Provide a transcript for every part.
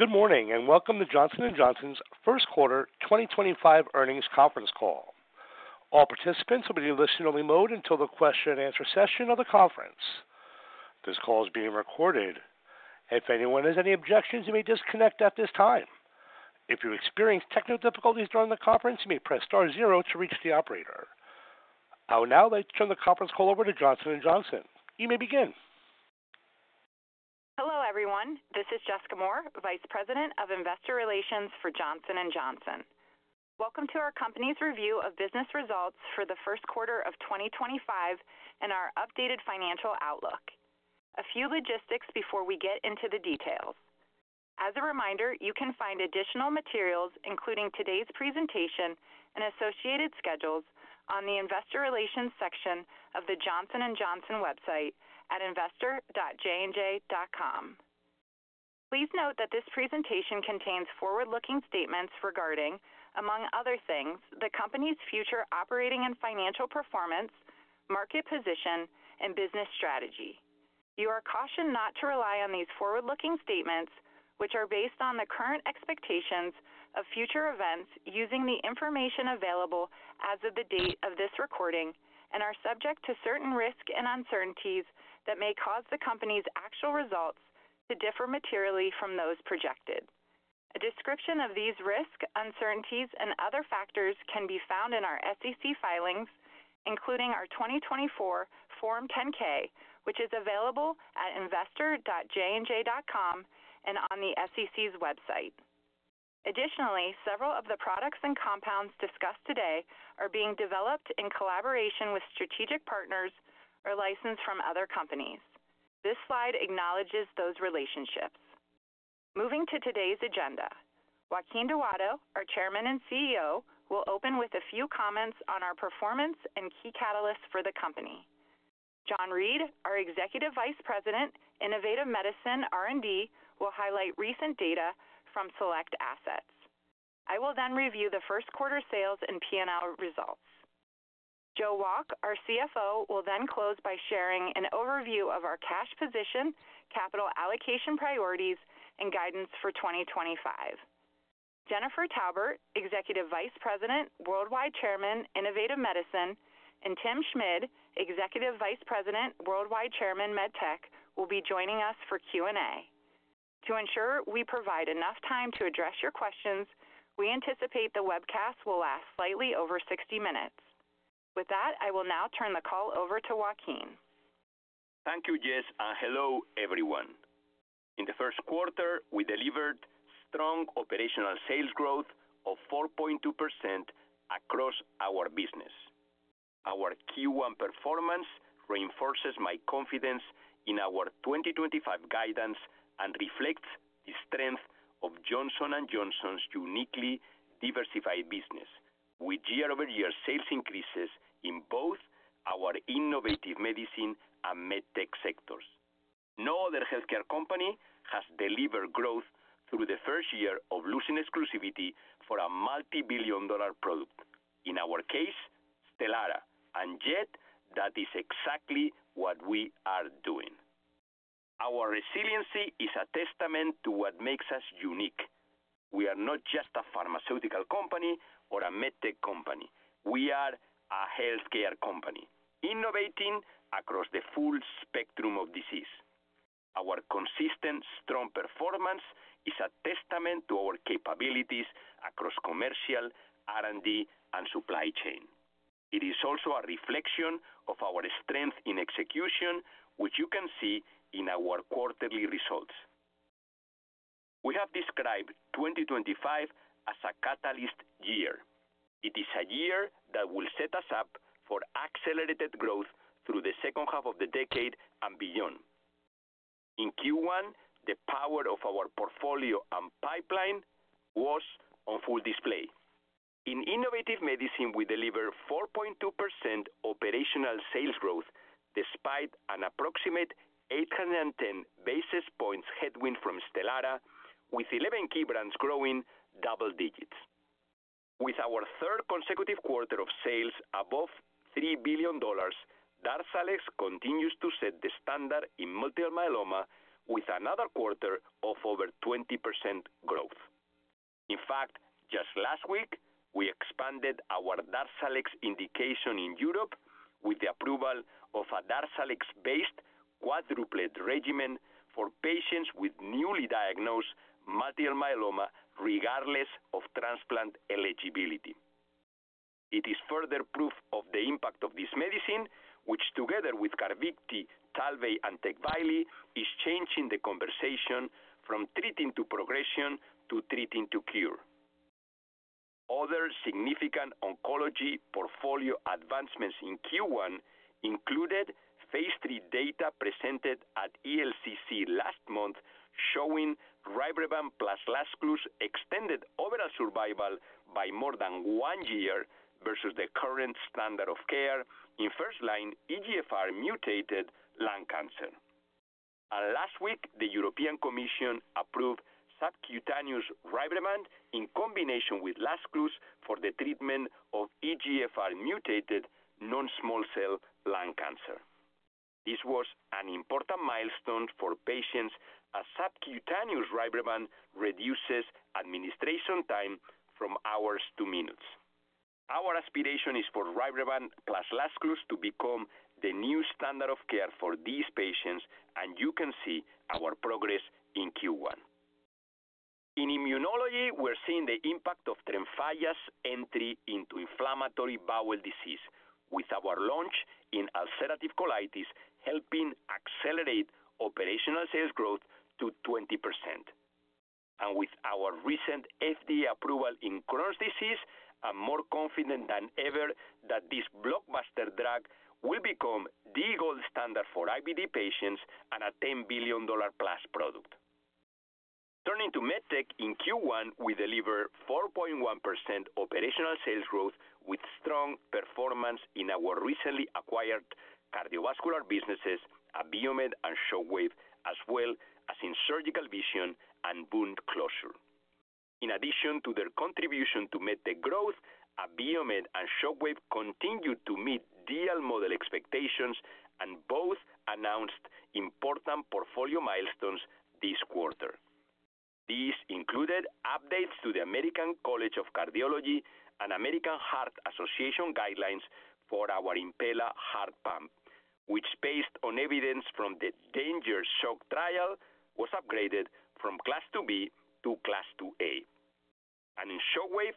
Good morning and welcome to Johnson & Johnson's first quarter 2025 earnings conference call. All participants will be in listen-only mode until the question-and-answer session of the conference. This call is being recorded. If anyone has any objections, you may disconnect at this time. If you experience technical difficulties during the conference, you may press star zero to reach the operator. I will now turn the conference call over to Johnson & Johnson. You may begin. Hello everyone. This is Jessica Moore, Vice President of Investor Relations for Johnson & Johnson. Welcome to our company's review of business results for the first quarter of 2025 and our updated financial outlook. A few logistics before we get into the details. As a reminder, you can find additional materials, including today's presentation and associated schedules, on the Investor Relations section of the Johnson & Johnson website at investor.jnj.com. Please note that this presentation contains forward-looking statements regarding, among other things, the company's future operating and financial performance, market position, and business strategy. You are cautioned not to rely on these forward-looking statements, which are based on the current expectations of future events using the information available as of the date of this recording and are subject to certain risks and uncertainties that may cause the company's actual results to differ materially from those projected. A description of these risks, uncertainties, and other factors can be found in our SEC filings, including our 2024 Form 10-K, which is available at investor.jnj.com and on the SEC's website. Additionally, several of the products and compounds discussed today are being developed in collaboration with strategic partners or licensed from other companies. This slide acknowledges those relationships. Moving to today's agenda, Joaquin Duato, our Chairman and CEO, will open with a few comments on our performance and key catalysts for the company. John Reed, our Executive Vice President, Innovative Medicine R&D, will highlight recent data from select assets. I will then review the first quarter sales and P&L results. Joe Wolk, our CFO, will then close by sharing an overview of our cash position, capital allocation priorities, and guidance for 2025. Jennifer Taubert, Executive Vice President, Worldwide Chairman, Innovative Medicine, and Tim Schmid, Executive Vice President, Worldwide Chairman, MedTech, will be joining us for Q&A. To ensure we provide enough time to address your questions, we anticipate the webcast will last slightly over 60 minutes. With that, I will now turn the call over to Joaquin. Thank you, Jess, and hello everyone. In the first quarter, we delivered strong operational sales growth of 4.2% across our business. Our Q1 performance reinforces my confidence in our 2025 guidance and reflects the strength of Johnson & Johnson's uniquely diversified business, with year-over-year sales increases in both our innovative medicine and MedTech sectors. No other healthcare company has delivered growth through the first year of losing exclusivity for a multi-billion dollar product. In our case, Stelara, and yet that is exactly what we are doing. Our resiliency is a testament to what makes us unique. We are not just a pharmaceutical company or a MedTech company. We are a healthcare company innovating across the full spectrum of disease. Our consistent, strong performance is a testament to our capabilities across commercial, R&D, and supply chain. It is also a reflection of our strength in execution, which you can see in our quarterly results. We have described 2025 as a catalyst year. It is a year that will set us up for accelerated growth through the second half of the decade and beyond. In Q1, the power of our portfolio and pipeline was on full display. In innovative medicine, we delivered 4.2% operational sales growth despite an approximate 810 basis points headwind from Stelara, with 11 key brands growing double digits. With our third consecutive quarter of sales above $3 billion, Darzalex continues to set the standard in multiple myeloma with another quarter of over 20% growth. In fact, just last week, we expanded our Darzalex indication in Europe with the approval of a Darzalex-based quadruplet regimen for patients with newly diagnosed multiple myeloma regardless of transplant eligibility. It is further proof of the impact of this medicine, which together with Carvykti, Talvey, and Tecvayli is changing the conversation from treating to progression to treating to cure. Other significant oncology portfolio advancements in Q1 included phase three data presented at ELCC last month showing Rybrevant plus Lazertinib extended overall survival by more than one year versus the current standard of care in first-line EGFR-mutated lung cancer. Last week, the European Commission approved subcutaneous Rybrevant in combination with Lazertinib for the treatment of EGFR-mutated non-small cell lung cancer. This was an important milestone for patients as subcutaneous Rybrevant reduces administration time from hours to minutes. Our aspiration is for Rybrevant plus Lazertinib to become the new standard of care for these patients, and you can see our progress in Q1. In immunology, we're seeing the impact of Tremfya's entry into inflammatory bowel disease with our launch in ulcerative colitis helping accelerate operational sales growth to 20%. With our recent FDA approval in Crohn's disease, I'm more confident than ever that this blockbuster drug will become the gold standard for IBD patients and a $10 billion-plus product. Turning to MedTech, in Q1, we delivered 4.1% operational sales growth with strong performance in our recently acquired cardiovascular businesses, Abiomed and Shockwave, as well as in surgical vision and wound closure. In addition to their contribution to MedTech growth, Abiomed and Shockwave continued to meet DL model expectations and both announced important portfolio milestones this quarter. These included updates to the American College of Cardiology and American Heart Association guidelines for our Impella heart pump, which, based on evidence from the Danger Shock trial, was upgraded from Class 2B to Class 2A. In Shockwave,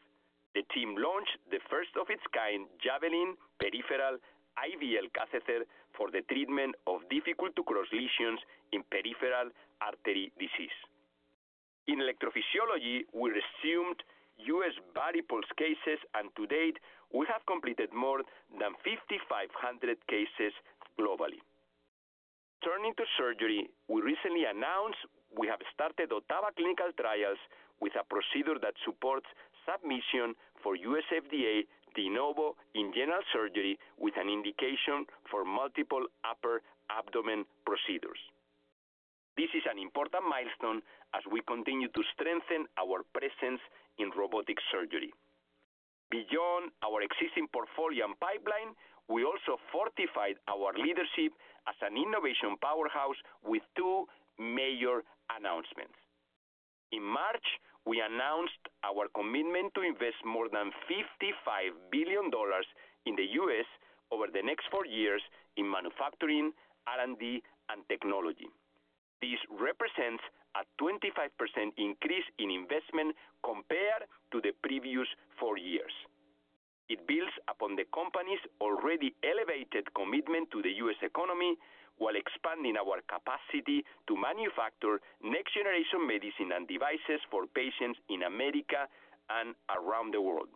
the team launched the first of its kind Javelin peripheral IVL catheter for the treatment of difficult-to-cross lesions in peripheral artery disease. In electrophysiology, we resumed U.S. body pulse cases, and to date, we have completed more than 5,500 cases globally. Turning to surgery, we recently announced we have started Ottava clinical trials with a procedure that supports submission for U.S. FDA De Novo in general surgery with an indication for multiple upper abdomen procedures. This is an important milestone as we continue to strengthen our presence in robotic surgery. Beyond our existing portfolio and pipeline, we also fortified our leadership as an innovation powerhouse with two major announcements. In March, we announced our commitment to invest more than $55 billion in the U.S. over the next four years in manufacturing, R&D, and technology. This represents a 25% increase in investment compared to the previous four years. It builds upon the company's already elevated commitment to the US economy while expanding our capacity to manufacture next-generation medicine and devices for patients in America and around the world.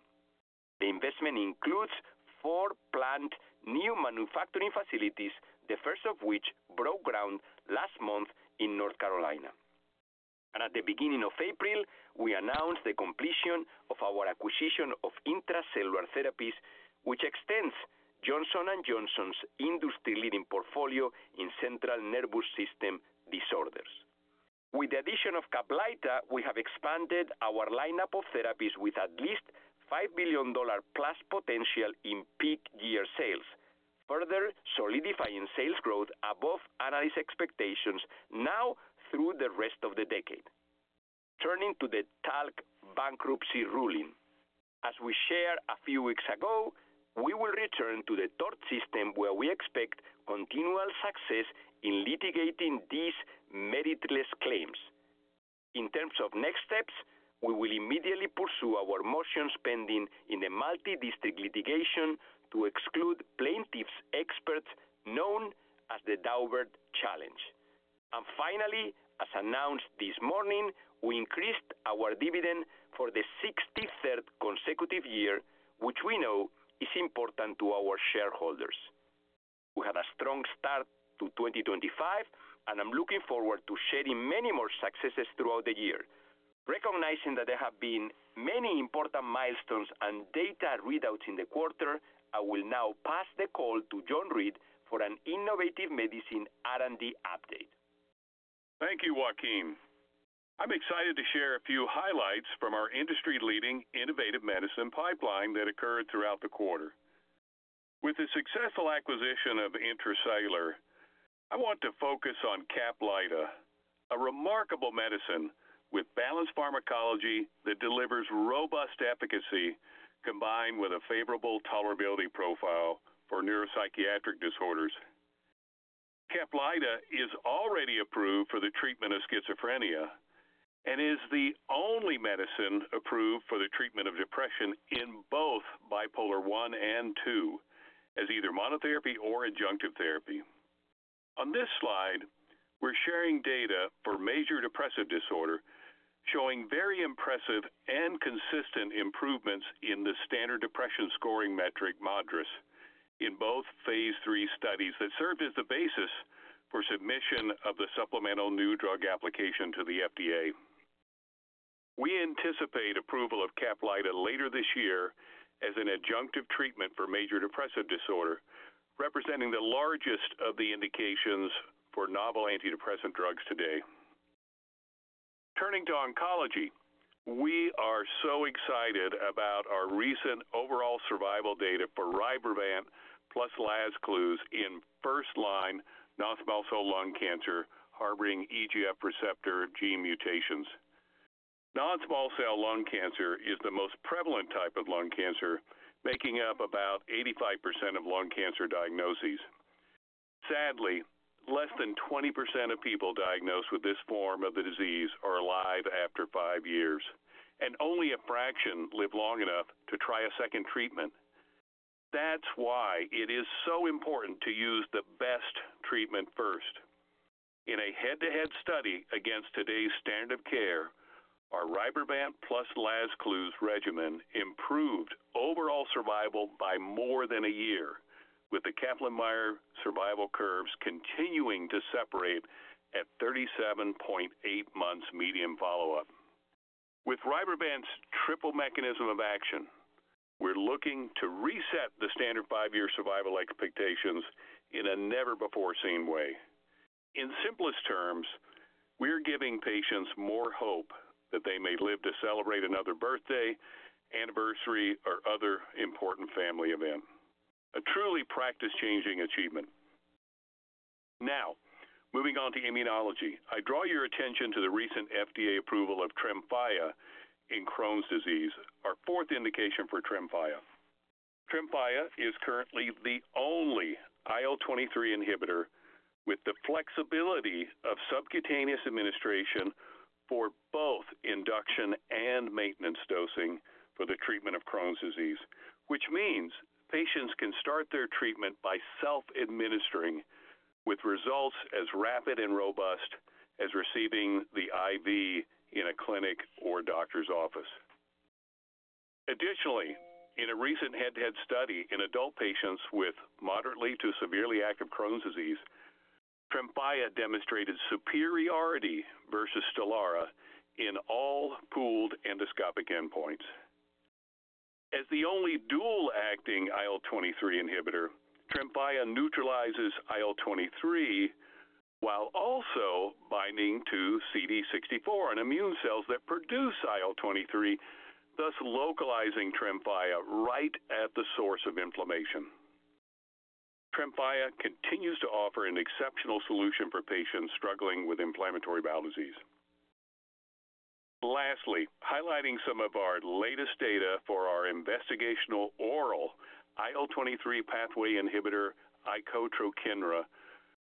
The investment includes four planned new manufacturing facilities, the first of which broke ground last month in North Carolina. At the beginning of April, we announced the completion of our acquisition of Intra-Cellular Therapies, which extends Johnson & Johnson's industry-leading portfolio in central nervous system disorders. With the addition of Caplyta, we have expanded our lineup of therapies with at least $5 billion-plus potential in peak year sales, further solidifying sales growth above analyst expectations now through the rest of the decade. Turning to the talc bankruptcy ruling, as we shared a few weeks ago, we will return to the tort system where we expect continual success in litigating these meritless claims. In terms of next steps, we will immediately pursue our motion spending in the multi-district litigation to exclude plaintiffs' experts known as the Daubert challenge. Finally, as announced this morning, we increased our dividend for the 63rd consecutive year, which we know is important to our shareholders. We had a strong start to 2025, and I'm looking forward to sharing many more successes throughout the year. Recognizing that there have been many important milestones and data readouts in the quarter, I will now pass the call to John Reed for an innovative medicine R&D update. Thank you, Joaquin. I'm excited to share a few highlights from our industry-leading innovative medicine pipeline that occurred throughout the quarter. With the successful acquisition of Intra-Cellular, I want to focus on Caplyta, a remarkable medicine with balanced pharmacology that delivers robust efficacy combined with a favorable tolerability profile for neuropsychiatric disorders. Caplyta is already approved for the treatment of schizophrenia and is the only medicine approved for the treatment of depression in both bipolar I and II as either monotherapy or adjunctive therapy. On this slide, we're sharing data for major depressive disorder showing very impressive and consistent improvements in the standard depression scoring metric, MADRS, in both phase three studies that served as the basis for submission of the supplemental new drug application to the FDA. We anticipate approval of Caplyta later this year as an adjunctive treatment for major depressive disorder, representing the largest of the indications for novel antidepressant drugs today. Turning to oncology, we are so excited about our recent overall survival data for Rybrevant plus Lazertinib in first-line non-small cell lung cancer harboring EGF receptor gene mutations. Non-small cell lung cancer is the most prevalent type of lung cancer, making up about 85% of lung cancer diagnoses. Sadly, less than 20% of people diagnosed with this form of the disease are alive after five years, and only a fraction live long enough to try a second treatment. That is why it is so important to use the best treatment first. In a head-to-head study against today's standard of care, our Rybrevant plus Lazertinib regimen improved overall survival by more than a year, with the Kaplan-Meier survival curves continuing to separate at 37.8 months median follow-up. With Rybrevant's triple mechanism of action, we're looking to reset the standard five-year survival expectations in a never-before-seen way. In simplest terms, we're giving patients more hope that they may live to celebrate another birthday, anniversary, or other important family event. A truly practice-changing achievement. Now, moving on to immunology, I draw your attention to the recent FDA approval of Tremfya in Crohn's disease, our fourth indication for Tremfya. Tremfya is currently the only IL-23 inhibitor with the flexibility of subcutaneous administration for both induction and maintenance dosing for the treatment of Crohn's disease, which means patients can start their treatment by self-administering with results as rapid and robust as receiving the IV in a clinic or doctor's office. Additionally, in a recent head-to-head study in adult patients with moderately to severely active Crohn's disease, Tremfya demonstrated superiority versus Stelara in all pooled endoscopic endpoints. As the only dual-acting IL-23 inhibitor, Tremfya neutralizes IL-23 while also binding to CD64 and immune cells that produce IL-23, thus localizing Tremfya right at the source of inflammation. Tremfya continues to offer an exceptional solution for patients struggling with inflammatory bowel disease. Lastly, highlighting some of our latest data for our investigational oral IL-23 pathway inhibitor, Icotrokinra,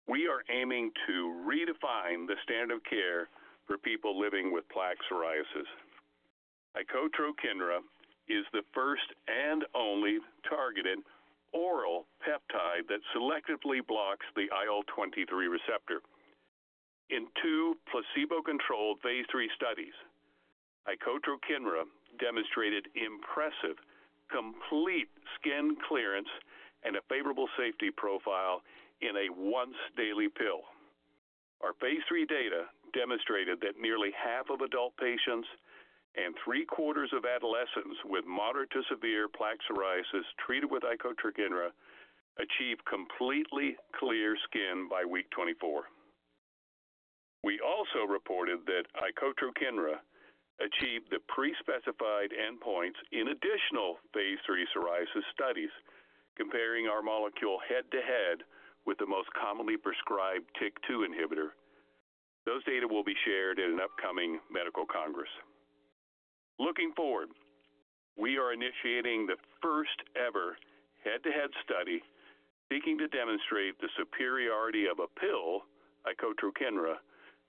we are aiming to redefine the standard of care for people living with plaque psoriasis. Icotrokinra is the first and only targeted oral peptide that selectively blocks the IL-23 receptor. In two placebo-controlled phase three studies, Icotrokinra demonstrated impressive complete skin clearance and a favorable safety profile in a once-daily pill. Our phase three data demonstrated that nearly half of adult patients and three-quarters of adolescents with moderate to severe plaque psoriasis treated with Icotrokinra achieved completely clear skin by week 24. We also reported that Icotrokinra achieved the pre-specified endpoints in additional phase three psoriasis studies, comparing our molecule head-to-head with the most commonly prescribed TIC2 inhibitor. Those data will be shared at an upcoming medical congress. Looking forward, we are initiating the first-ever head-to-head study seeking to demonstrate the superiority of a pill, Icotrokinra,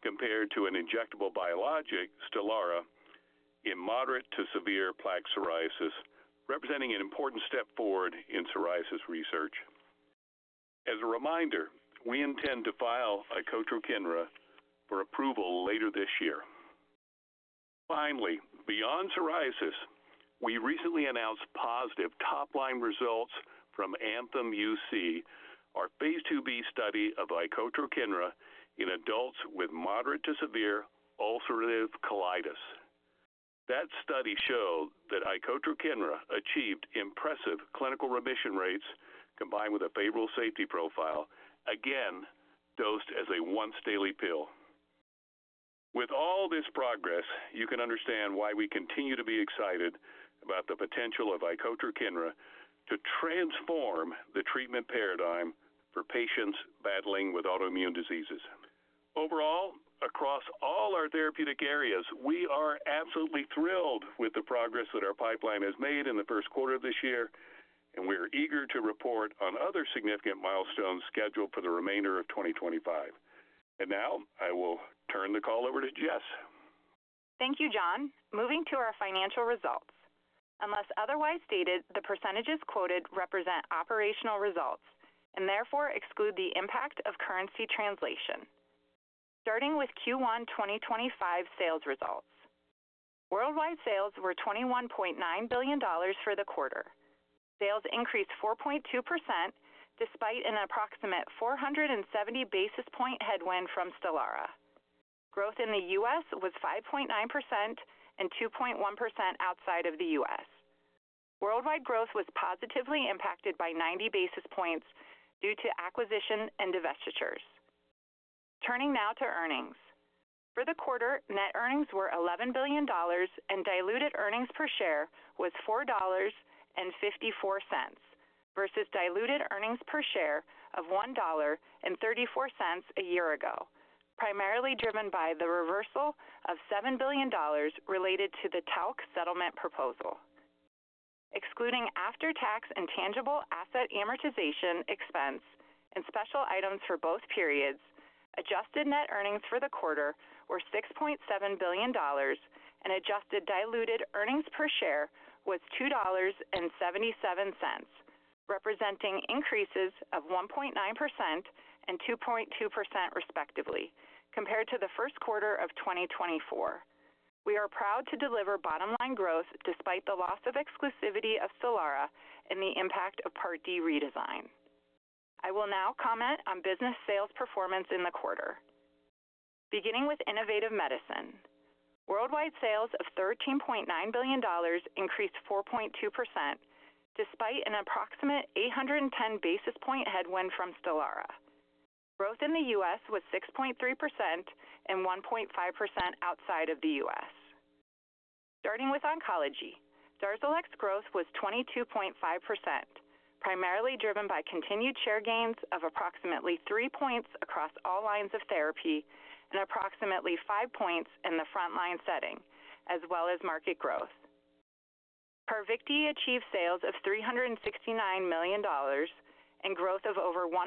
compared to an injectable biologic, Stelara, in moderate to severe plaque psoriasis, representing an important step forward in psoriasis research. As a reminder, we intend to file Icotrokinra for approval later this year. Finally, beyond psoriasis, we recently announced positive top-line results from Anthem UC, our phase 2B study of Icotrokinra in adults with moderate to severe ulcerative colitis. That study showed that Icotrokinra achieved impressive clinical remission rates combined with a favorable safety profile, again dosed as a once-daily pill. With all this progress, you can understand why we continue to be excited about the potential of Icotrokinra to transform the treatment paradigm for patients battling with autoimmune diseases. Overall, across all our therapeutic areas, we are absolutely thrilled with the progress that our pipeline has made in the first quarter of this year, and we are eager to report on other significant milestones scheduled for the remainder of 2025. I will turn the call over to Jess. Thank you, John. Moving to our financial results. Unless otherwise stated, the percentages quoted represent operational results and therefore exclude the impact of currency translation. Starting with Q1 2025 sales results. Worldwide sales were $21.9 billion for the quarter. Sales increased 4.2% despite an approximate 470 basis point headwind from Stelara. Growth in the U.S. was 5.9% and 2.1% outside of the U.S. Worldwide growth was positively impacted by 90 basis points due to acquisition and divestitures. Turning now to earnings. For the quarter, net earnings were $11 billion, and diluted earnings per share was $4.54 versus diluted earnings per share of $1.34 a year ago, primarily driven by the reversal of $7 billion related to the talc settlement proposal. Excluding after-tax intangible asset amortization expense and special items for both periods, adjusted net earnings for the quarter were $6.7 billion, and adjusted diluted earnings per share was $2.77, representing increases of 1.9% and 2.2% respectively compared to the first quarter of 2024. We are proud to deliver bottom-line growth despite the loss of exclusivity of Stelara and the impact of Part D redesign. I will now comment on business sales performance in the quarter. Beginning with innovative medicine. Worldwide sales of $13.9 billion increased 4.2% despite an approximate 810 basis point headwind from Stelara. Growth in the U.S. was 6.3% and 1.5% outside of the U.S. Starting with oncology, Darzalex growth was 22.5%, primarily driven by continued share gains of approximately 3 points across all lines of therapy and approximately 5 points in the front-line setting, as well as market growth. Carvykti achieved sales of $369 million and growth of over 100%,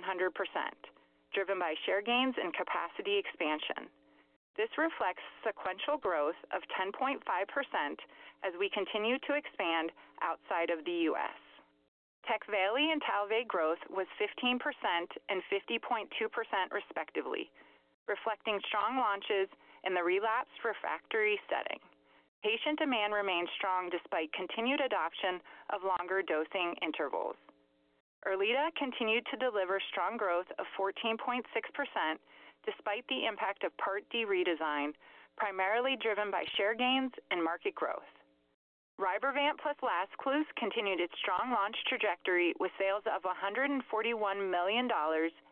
driven by share gains and capacity expansion. This reflects sequential growth of 10.5% as we continue to expand outside of the U.S. Tecvayli and Talvey growth was 15% and 50.2% respectively, reflecting strong launches in the relapsed refractory setting. Patient demand remained strong despite continued adoption of longer dosing intervals. Erlita continued to deliver strong growth of 14.6% despite the impact of Part D redesign, primarily driven by share gains and market growth. Rybrevant plus Lazertinib continued its strong launch trajectory with sales of $141 million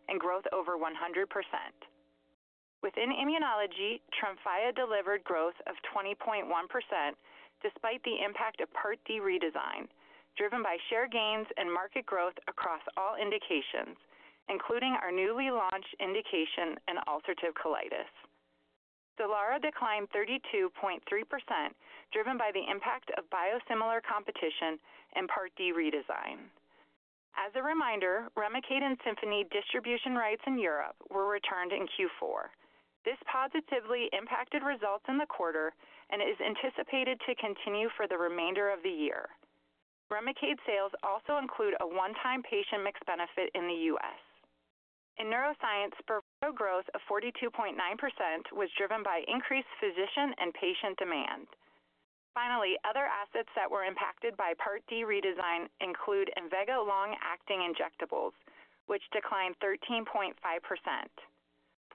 and growth over 100%. Within immunology, Tremfya delivered growth of 20.1% despite the impact of Part D redesign, driven by share gains and market growth across all indications, including our newly launched indication in ulcerative colitis. Stelara declined 32.3%, driven by the impact of biosimilar competition and Part D redesign. As a reminder, Remicade and Symphony distribution rights in Europe were returned in Q4. This positively impacted results in the quarter and is anticipated to continue for the remainder of the year. Remicade sales also include a one-time patient mix benefit in the U.S. In neuroscience, provocative growth of 42.9% was driven by increased physician and patient demand. Finally, other assets that were impacted by Part D redesign include Invega long-acting injectables, which declined 13.5%,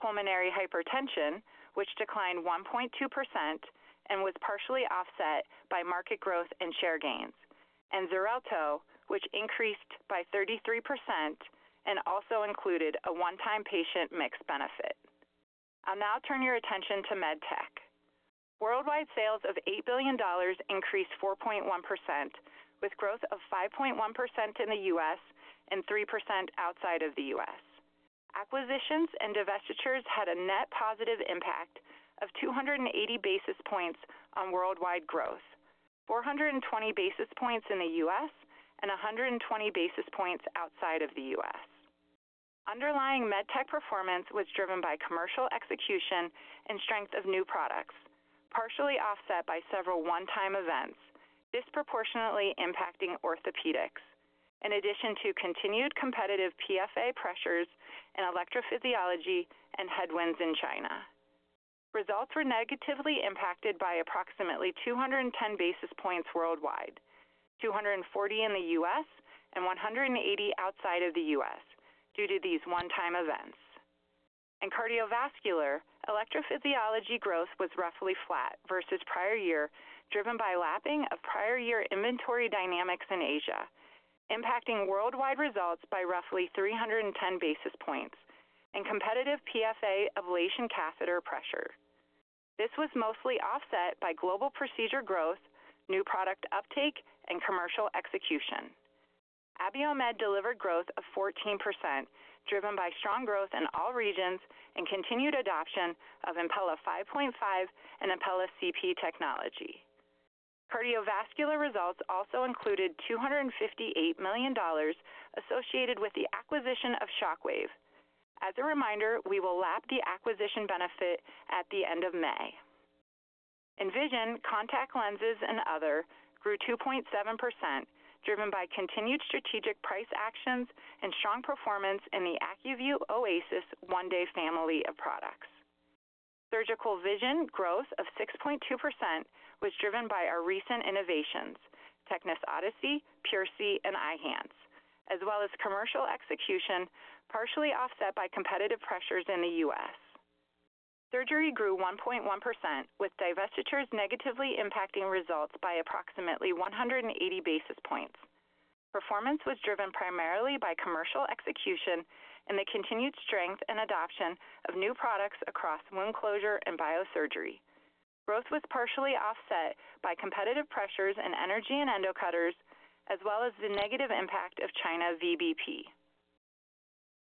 pulmonary hypertension, which declined 1.2% and was partially offset by market growth and share gains, and Xarelto, which increased by 33% and also included a one-time patient mix benefit. I'll now turn your attention to med tech. Worldwide sales of $8 billion increased 4.1%, with growth of 5.1% in the U.S. and 3% outside of the U.S. Acquisitions and divestitures had a net positive impact of 280 basis points on worldwide growth, 420 basis points in the U.S. and 120 basis points outside of the U.S. Underlying MedTech performance was driven by commercial execution and strength of new products, partially offset by several one-time events disproportionately impacting orthopedics, in addition to continued competitive PFA pressures in electrophysiology and headwinds in China. Results were negatively impacted by approximately 210 basis points worldwide, 240 in the U.S. and 180 outside of the U.S. due to these one-time events. In cardiovascular, electrophysiology growth was roughly flat versus prior year, driven by lapping of prior year inventory dynamics in Asia, impacting worldwide results by roughly 310 basis points and competitive PFA ablation catheter pressure. This was mostly offset by global procedure growth, new product uptake, and commercial execution. Abiomed delivered growth of 14%, driven by strong growth in all regions and continued adoption of Impella 5.5 and Impella CP technology. Cardiovascular results also included $258 million associated with the acquisition of Shockwave. As a reminder, we will lap the acquisition benefit at the end of May. Envision, Contact Lenses, and Other grew 2.7%, driven by continued strategic price actions and strong performance in the Acuvue Oasys One Day family of products. Surgical Vision, growth of 6.2%, was driven by our recent innovations, Tecnis Odyssey, Piercy, and Eyehance, as well as commercial execution, partially offset by competitive pressures in the U.S. Surgery grew 1.1%, with divestitures negatively impacting results by approximately 180 basis points. Performance was driven primarily by commercial execution and the continued strength and adoption of new products across wound closure and biosurgery. Growth was partially offset by competitive pressures in energy and endocutters, as well as the negative impact of China VBP.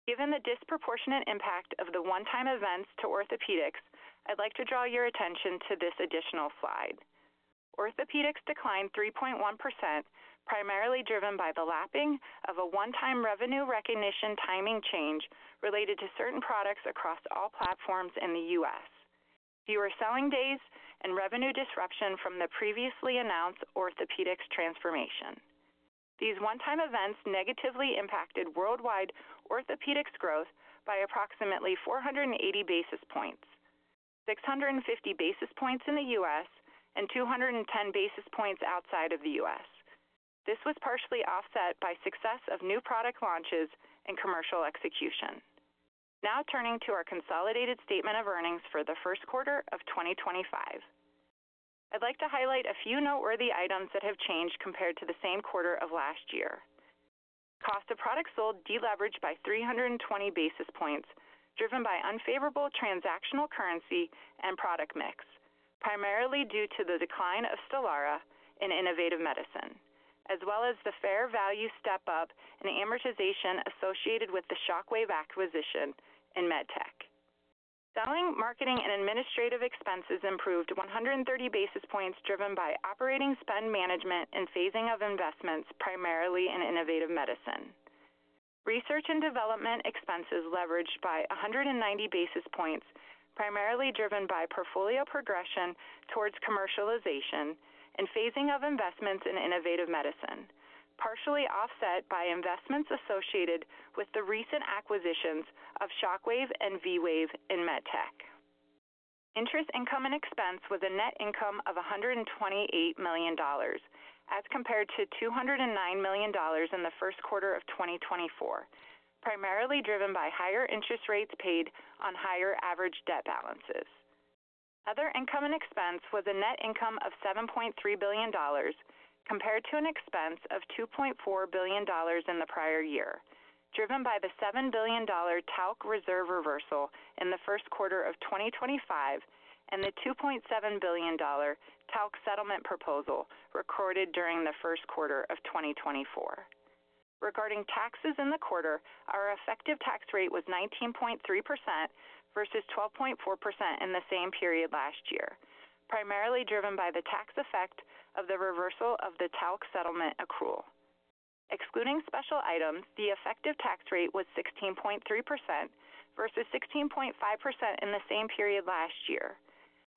Given the disproportionate impact of the one-time events to orthopedics, I'd like to draw your attention to this additional slide. Orthopedics declined 3.1%, primarily driven by the lapping of a one-time revenue recognition timing change related to certain products across all platforms in the US, fewer selling days, and revenue disruption from the previously announced orthopedics transformation. These one-time events negatively impacted worldwide orthopedics growth by approximately 480 basis points, 650 basis points in the US, and 210 basis points outside of the US. This was partially offset by success of new product launches and commercial execution. Now turning to our consolidated statement of earnings for the first quarter of 2025, I'd like to highlight a few noteworthy items that have changed compared to the same quarter of last year. Cost of product sold deleveraged by 320 basis points, driven by unfavorable transactional currency and product mix, primarily due to the decline of Stelara in innovative medicine, as well as the fair value step-up and amortization associated with the Shockwave acquisition in med tech. Selling, marketing, and administrative expenses improved 130 basis points, driven by operating spend management and phasing of investments, primarily in innovative medicine. Research and development expenses leveraged by 190 basis points, primarily driven by portfolio progression towards commercialization and phasing of investments in innovative medicine, partially offset by investments associated with the recent acquisitions of Shockwave and V-Wave in med tech. Interest income and expense was a net income of $128 million, as compared to $209 million in the first quarter of 2024, primarily driven by higher interest rates paid on higher average debt balances. Other income and expense was a net income of $7.3 billion, compared to an expense of $2.4 billion in the prior year, driven by the $7 billion talc reserve reversal in the first quarter of 2025 and the $2.7 billion talc settlement proposal recorded during the first quarter of 2024. Regarding taxes in the quarter, our effective tax rate was 19.3% versus 12.4% in the same period last year, primarily driven by the tax effect of the reversal of the talc settlement accrual. Excluding special items, the effective tax rate was 16.3% versus 16.5% in the same period last year.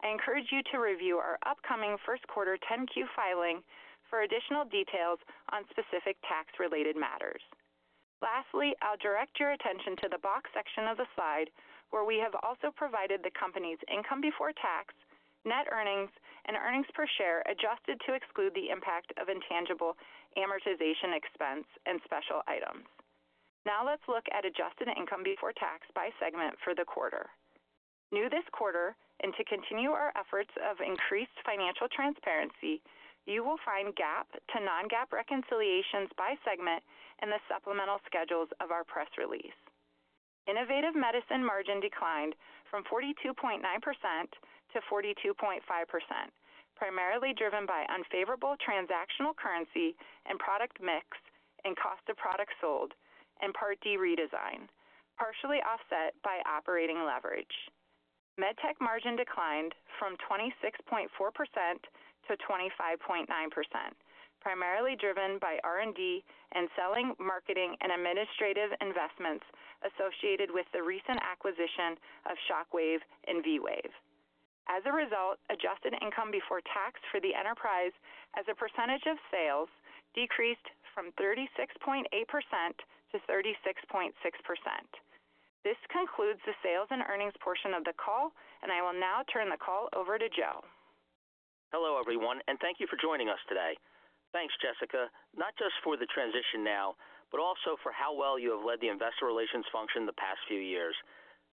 I encourage you to review our upcoming first quarter 10Q filing for additional details on specific tax-related matters. Lastly, I'll direct your attention to the box section of the slide where we have also provided the company's income before tax, net earnings, and earnings per share adjusted to exclude the impact of intangible amortization expense and special items. Now let's look at adjusted income before tax by segment for the quarter. New this quarter, and to continue our efforts of increased financial transparency, you will find GAAP to non-GAAP reconciliations by segment in the supplemental schedules of our press release. Innovative medicine margin declined from 42.9%-42.5%, primarily driven by unfavorable transactional currency and product mix and cost of product sold and Part D redesign, partially offset by operating leverage. MedTech margin declined from 26.4%-25.9%, primarily driven by R&D and selling, marketing, and administrative investments associated with the recent acquisition of Shockwave and V-Wave. As a result, adjusted income before tax for the enterprise as a percentage of sales decreased from 36.8%-36.6%. This concludes the sales and earnings portion of the call, and I will now turn the call over to Joe. Hello everyone, and thank you for joining us today. Thanks, Jessica, not just for the transition now, but also for how well you have led the investor relations function the past few years.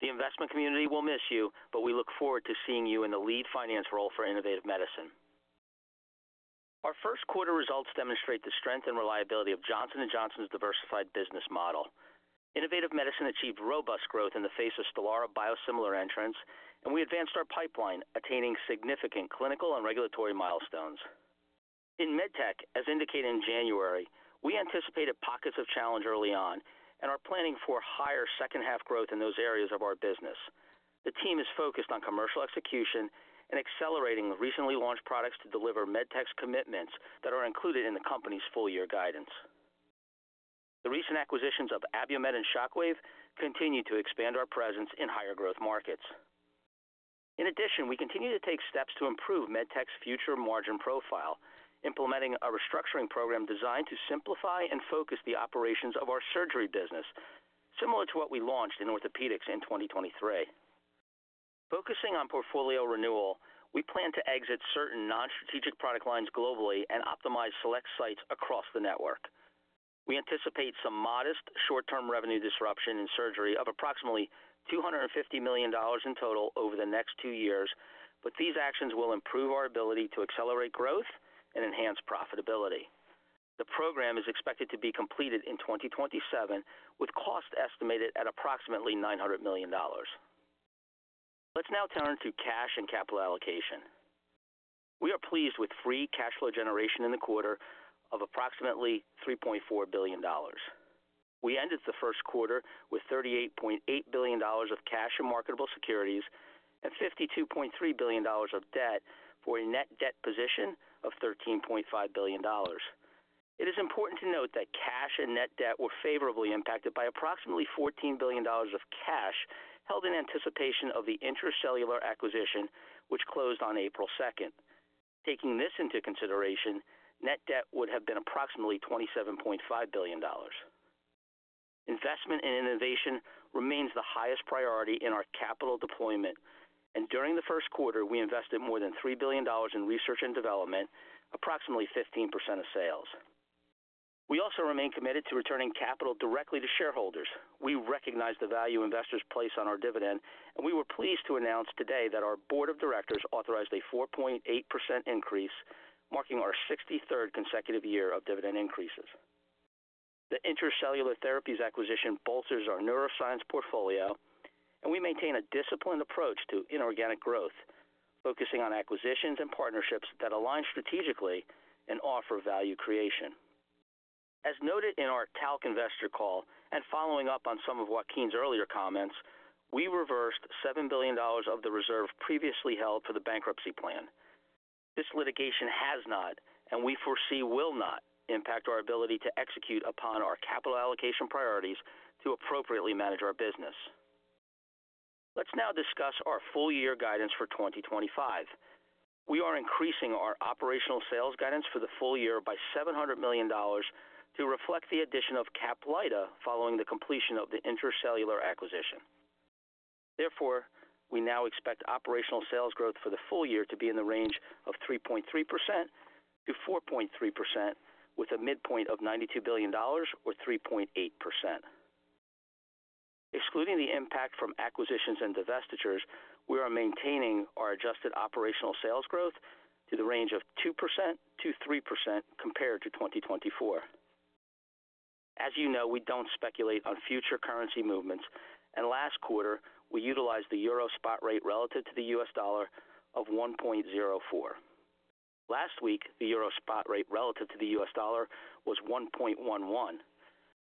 The investment community will miss you, but we look forward to seeing you in the lead finance role for innovative medicine. Our first quarter results demonstrate the strength and reliability of Johnson & Johnson's diversified business model. Innovative medicine achieved robust growth in the face of Stelara biosimilar entrants, and we advanced our pipeline, attaining significant clinical and regulatory milestones. In med tech, as indicated in January, we anticipated pockets of challenge early on and are planning for higher second-half growth in those areas of our business. The team is focused on commercial execution and accelerating recently launched products to deliver med tech's commitments that are included in the company's full-year guidance. The recent acquisitions of Abiomed and Shockwave continue to expand our presence in higher growth markets. In addition, we continue to take steps to improve med tech's future margin profile, implementing a restructuring program designed to simplify and focus the operations of our surgery business, similar to what we launched in orthopedics in 2023. Focusing on portfolio renewal, we plan to exit certain non-strategic product lines globally and optimize select sites across the network. We anticipate some modest short-term revenue disruption in surgery of approximately $250 million in total over the next two years, but these actions will improve our ability to accelerate growth and enhance profitability. The program is expected to be completed in 2027, with cost estimated at approximately $900 million. Let's now turn to cash and capital allocation. We are pleased with free cash flow generation in the quarter of approximately $3.4 billion. We ended the first quarter with $38.8 billion of cash and marketable securities and $52.3 billion of debt for a net debt position of $13.5 billion. It is important to note that cash and net debt were favorably impacted by approximately $14 billion of cash held in anticipation of the Intra-Cellular Therapies acquisition, which closed on April 2nd. Taking this into consideration, net debt would have been approximately $27.5 billion. Investment in innovation remains the highest priority in our capital deployment, and during the first quarter, we invested more than $3 billion in research and development, approximately 15% of sales. We also remain committed to returning capital directly to shareholders. We recognize the value investors place on our dividend, and we were pleased to announce today that our board of directors authorized a 4.8% increase, marking our 63rd consecutive year of dividend increases. The Intra-Cellular Therapies acquisition bolsters our neuroscience portfolio, and we maintain a disciplined approach to inorganic growth, focusing on acquisitions and partnerships that align strategically and offer value creation. As noted in our TALC Investor call and following up on some of Joaquin's earlier comments, we reversed $7 billion of the reserve previously held for the bankruptcy plan. This litigation has not, and we foresee will not, impact our ability to execute upon our capital allocation priorities to appropriately manage our business. Let's now discuss our full-year guidance for 2025. We are increasing our operational sales guidance for the full year by $700 million to reflect the addition of Caplyta following the completion of the Intra-Cellular Therapies acquisition. Therefore, we now expect operational sales growth for the full year to be in the range of 3.3%-4.3%, with a midpoint of $92 billion or 3.8%. Excluding the impact from acquisitions and divestitures, we are maintaining our adjusted operational sales growth to the range of 2%-3% compared to 2024. As you know, we don't speculate on future currency movements, and last quarter, we utilized the Euro spot rate relative to the US dollar of 1.04. Last week, the Euro spot rate relative to the US dollar was 1.11.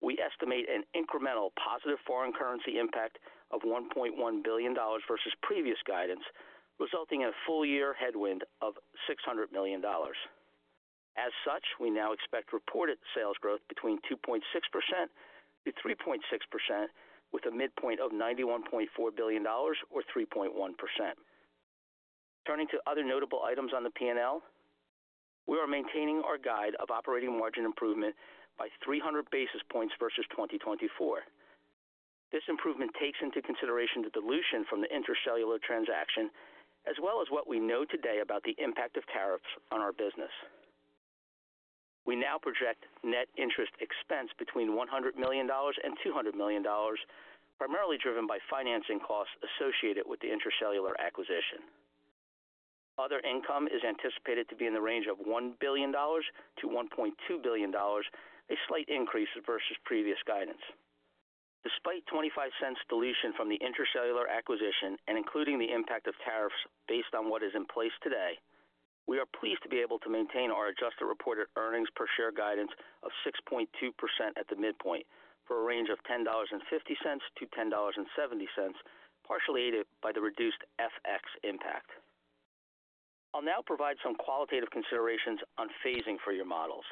We estimate an incremental positive foreign currency impact of $1.1 billion versus previous guidance, resulting in a full-year headwind of $600 million. As such, we now expect reported sales growth between 2.6%-3.6%, with a midpoint of $91.4 billion or 3.1%. Turning to other notable items on the P&L, we are maintaining our guide of operating margin improvement by 300 basis points versus 2024. This improvement takes into consideration the dilution from the Intra-Cellular Therapies transaction, as well as what we know today about the impact of tariffs on our business. We now project net interest expense between $100 million and $200 million, primarily driven by financing costs associated with the Intra-Cellular Therapies acquisition. Other income is anticipated to be in the range of $1 billion-$1.2 billion, a slight increase versus previous guidance. Despite $0.25 dilution from the Intra-Cellular Therapies acquisition and including the impact of tariffs based on what is in place today, we are pleased to be able to maintain our adjusted reported earnings per share guidance of 6.2% at the midpoint for a range of $10.50-$10.70, partially aided by the reduced FX impact. I'll now provide some qualitative considerations on phasing for your models.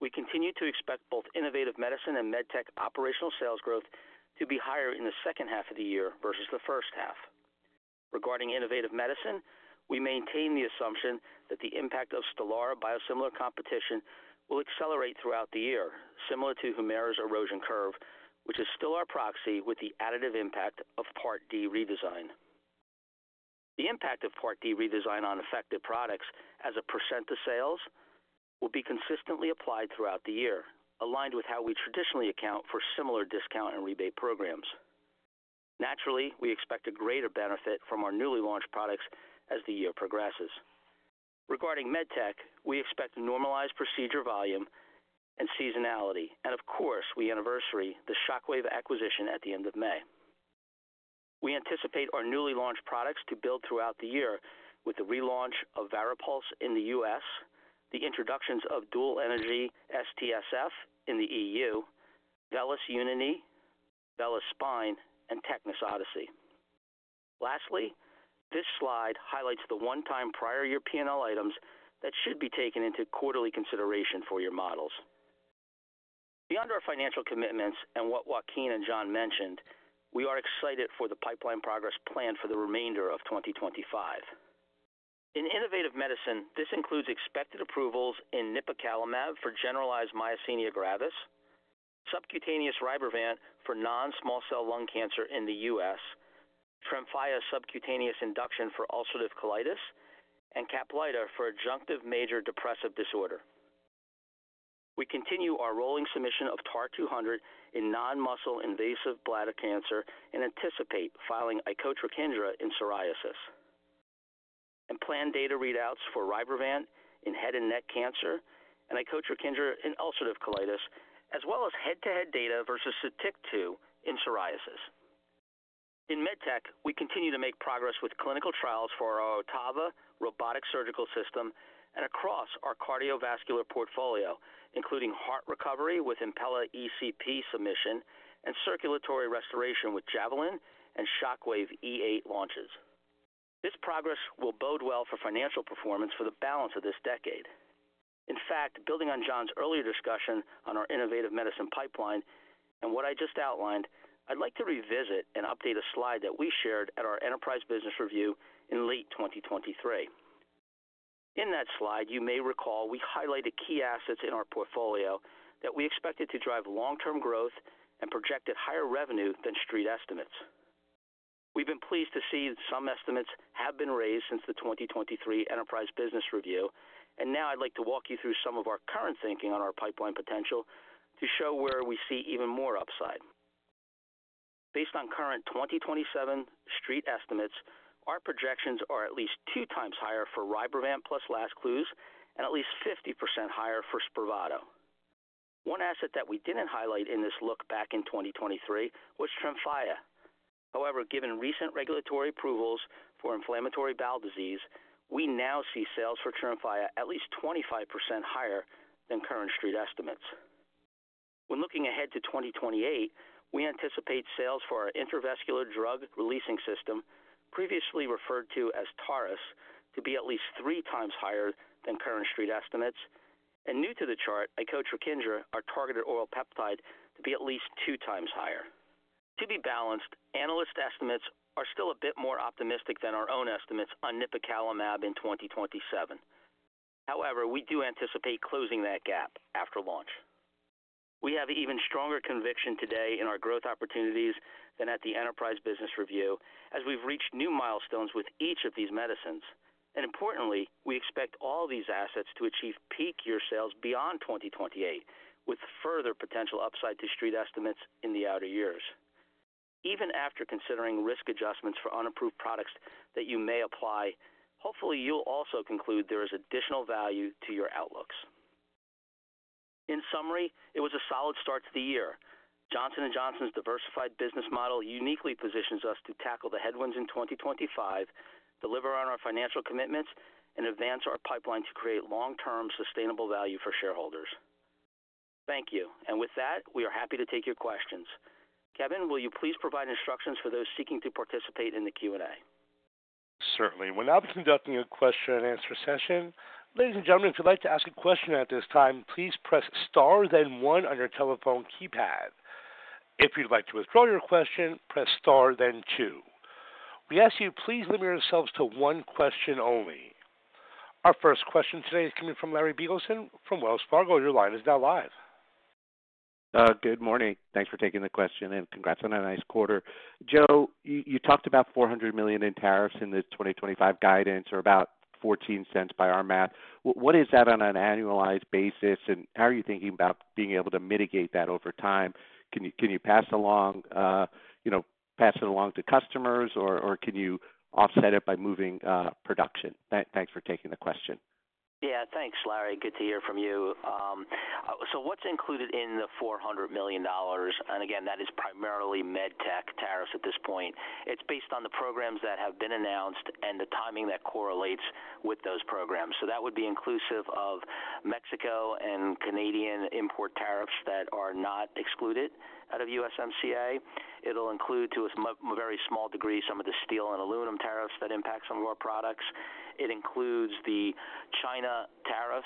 We continue to expect both Innovative Medicine and MedTech operational sales growth to be higher in the second half of the year versus the first half. Regarding Innovative Medicine, we maintain the assumption that the impact of Stelara biosimilar competition will accelerate throughout the year, similar to Humira's erosion curve, which is still our proxy with the additive impact of Part D redesign. The impact of Part D redesign on effective products as a % of sales will be consistently applied throughout the year, aligned with how we traditionally account for similar discount and rebate programs. Naturally, we expect a greater benefit from our newly launched products as the year progresses. Regarding MedTech, we expect normalized procedure volume and seasonality, and of course, we anniversary the Shockwave acquisition at the end of May. We anticipate our newly launched products to build throughout the year with the relaunch of Varipulse in the U.S., the introductions of Dual Energy STSF in the EU, Velys Unicompartmental, Velys Spine, and Tecnis Odyssey. Lastly, this slide highlights the one-time prior year P&L items that should be taken into quarterly consideration for your models. Beyond our financial commitments and what Joaquin and John mentioned, we are excited for the pipeline progress planned for the remainder of 2025. In innovative medicine, this includes expected approvals in Nipocalimab for generalized myasthenia gravis, subcutaneous Rybrevant for non-small cell lung cancer in the U.S., Tremfya subcutaneous induction for ulcerative colitis, and Caplyta for adjunctive major depressive disorder. We continue our rolling submission of TAR-200 in non-muscle invasive bladder cancer and anticipate filing Icotrokinra in psoriasis, and plan data readouts for Rybrevant in head and neck cancer and Icotrokinra in ulcerative colitis, as well as head-to-head data versus Satiq-2 in psoriasis. In med tech, we continue to make progress with clinical trials for our Ottava robotic surgical system and across our cardiovascular portfolio, including heart recovery with Impella ECP submission and circulatory restoration with Javelin and Shockwave E8 launches. This progress will bode well for financial performance for the balance of this decade. In fact, building on John's earlier discussion on our innovative medicine pipeline and what I just outlined, I'd like to revisit and update a slide that we shared at our enterprise business review in late 2023. In that slide, you may recall we highlighted key assets in our portfolio that we expected to drive long-term growth and projected higher revenue than street estimates. We've been pleased to see that some estimates have been raised since the 2023 enterprise business review, and now I'd like to walk you through some of our current thinking on our pipeline potential to show where we see even more upside. Based on current 2027 street estimates, our projections are at least two times higher for Rybrevant plus Lazertinib and at least 50% higher for Spravato. One asset that we didn't highlight in this look back in 2023 was Tremfya. However, given recent regulatory approvals for inflammatory bowel disease, we now see sales for Tremfya at least 25% higher than current street estimates. When looking ahead to 2028, we anticipate sales for our intravascular drug releasing system, previously referred to as TAR-200, to be at least three times higher than current street estimates, and new to the chart, Icotrokinra, our targeted oral peptide, to be at least two times higher. To be balanced, analyst estimates are still a bit more optimistic than our own estimates on Nipocalimab in 2027. However, we do anticipate closing that gap after launch. We have even stronger conviction today in our growth opportunities than at the enterprise business review, as we've reached new milestones with each of these medicines. Importantly, we expect all these assets to achieve peak year sales beyond 2028, with further potential upside to street estimates in the outer years. Even after considering risk adjustments for unapproved products that you may apply, hopefully you'll also conclude there is additional value to your outlooks. In summary, it was a solid start to the year. Johnson & Johnson's diversified business model uniquely positions us to tackle the headwinds in 2025, deliver on our financial commitments, and advance our pipeline to create long-term sustainable value for shareholders. Thank you. With that, we are happy to take your questions. Kevin, will you please provide instructions for those seeking to participate in the Q&A? Certainly. We'll now be conducting a question-and-answer session. Ladies and gentlemen, if you'd like to ask a question at this time, please press star then one on your telephone keypad. If you'd like to withdraw your question, press star then two. We ask you to please limit yourselves to one question only. Our first question today is coming from Larry Biegelsen from Wells Fargo. Your line is now live. Good morning. Thanks for taking the question and congrats on a nice quarter. Joe, you talked about $400 million in tariffs in the 2025 guidance or about $0.14 by our math. What is that on an annualized basis, and how are you thinking about being able to mitigate that over time? Can you pass it along to customers, or can you offset it by moving production? Thanks for taking the question. Yeah, thanks, Larry. Good to hear from you. What's included in the $400 million? That is primarily med tech tariffs at this point. It's based on the programs that have been announced and the timing that correlates with those programs. That would be inclusive of Mexico and Canadian import tariffs that are not excluded out of USMCA. It'll include, to a very small degree, some of the steel and aluminum tariffs that impact some of our products. It includes the China tariffs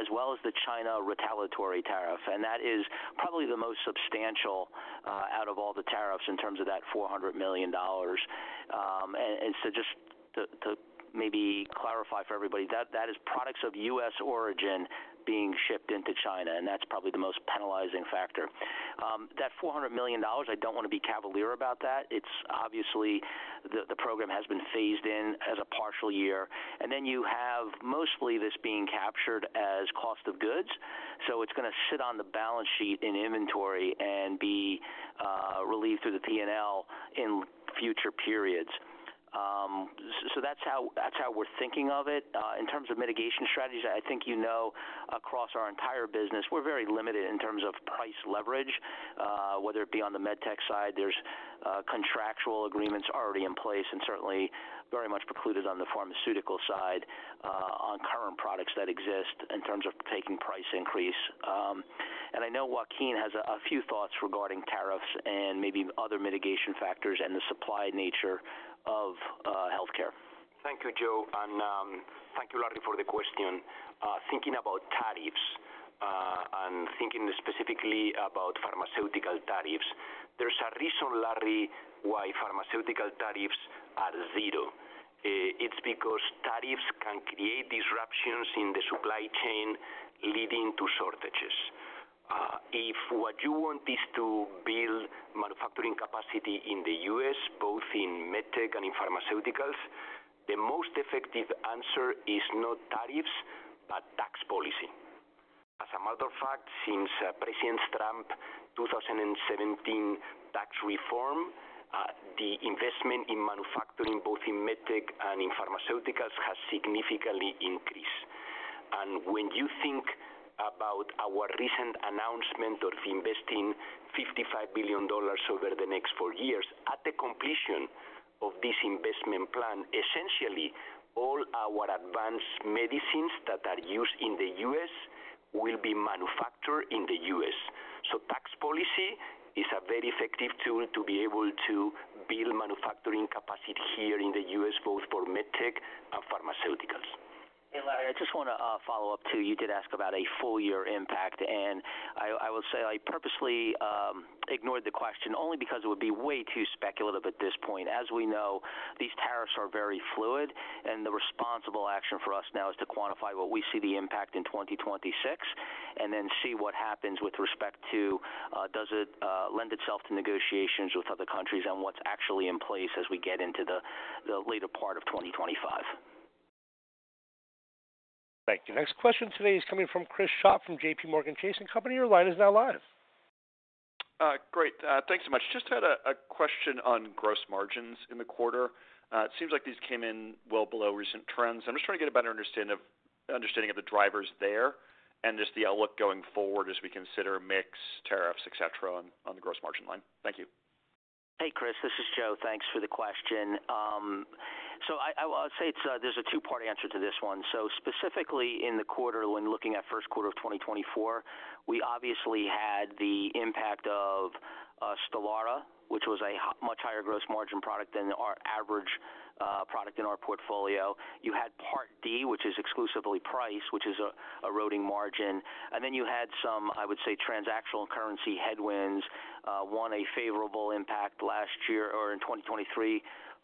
as well as the China retaliatory tariff. That is probably the most substantial out of all the tariffs in terms of that $400 million. Just to maybe clarify for everybody, that is products of US origin being shipped into China, and that's probably the most penalizing factor. That $400 million, I don't want to be cavalier about that. Obviously, the program has been phased in as a partial year. You have mostly this being captured as cost of goods. It's going to sit on the balance sheet in inventory and be relieved through the P&L in future periods. That is how we are thinking of it. In terms of mitigation strategies, I think you know across our entire business, we are very limited in terms of price leverage, whether it be on the med tech side. There are contractual agreements already in place and certainly very much precluded on the pharmaceutical side on current products that exist in terms of taking price increase. I know Joaquin has a few thoughts regarding tariffs and maybe other mitigation factors and the supply nature of healthcare. Thank you, Joe. Thank you, Larry, for the question. Thinking about tariffs and thinking specifically about pharmaceutical tariffs, there is a reason, Larry, why pharmaceutical tariffs are zero. It is because tariffs can create disruptions in the supply chain leading to shortages. If what you want is to build manufacturing capacity in the U.S., both in med tech and in pharmaceuticals, the most effective answer is not tariffs, but tax policy. As a matter of fact, since President Trump's 2017 tax reform, the investment in manufacturing, both in med tech and in pharmaceuticals, has significantly increased. When you think about our recent announcement of investing $55 billion over the next four years, at the completion of this investment plan, essentially all our advanced medicines that are used in the U.S. will be manufactured in the U.S. Tax policy is a very effective tool to be able to build manufacturing capacity here in the U.S., both for med tech and pharmaceuticals. Hey, Larry, I just want to follow up too. You did ask about a full-year impact, and I will say I purposely ignored the question only because it would be way too speculative at this point. As we know, these tariffs are very fluid, and the responsible action for us now is to quantify what we see the impact in 2026 and then see what happens with respect to does it lend itself to negotiations with other countries and what's actually in place as we get into the later part of 2025. Thank you. Next question today is coming from Chris Shopp from JPMorgan Chase & Company. Your line is now live. Great. Thanks so much. Just had a question on gross margins in the quarter. It seems like these came in well below recent trends. I'm just trying to get a better understanding of the drivers there and just the outlook going forward as we consider mixed tariffs, etc., on the gross margin line. Thank you. Hey, Chris, this is Joe. Thanks for the question. I'll say there's a two-part answer to this one. Specifically in the quarter, when looking at first quarter of 2024, we obviously had the impact of Stelara, which was a much higher gross margin product than our average product in our portfolio. You had Part D, which is exclusively price, which is an eroding margin. Then you had some, I would say, transactional currency headwinds, one a favorable impact last year or in 2023,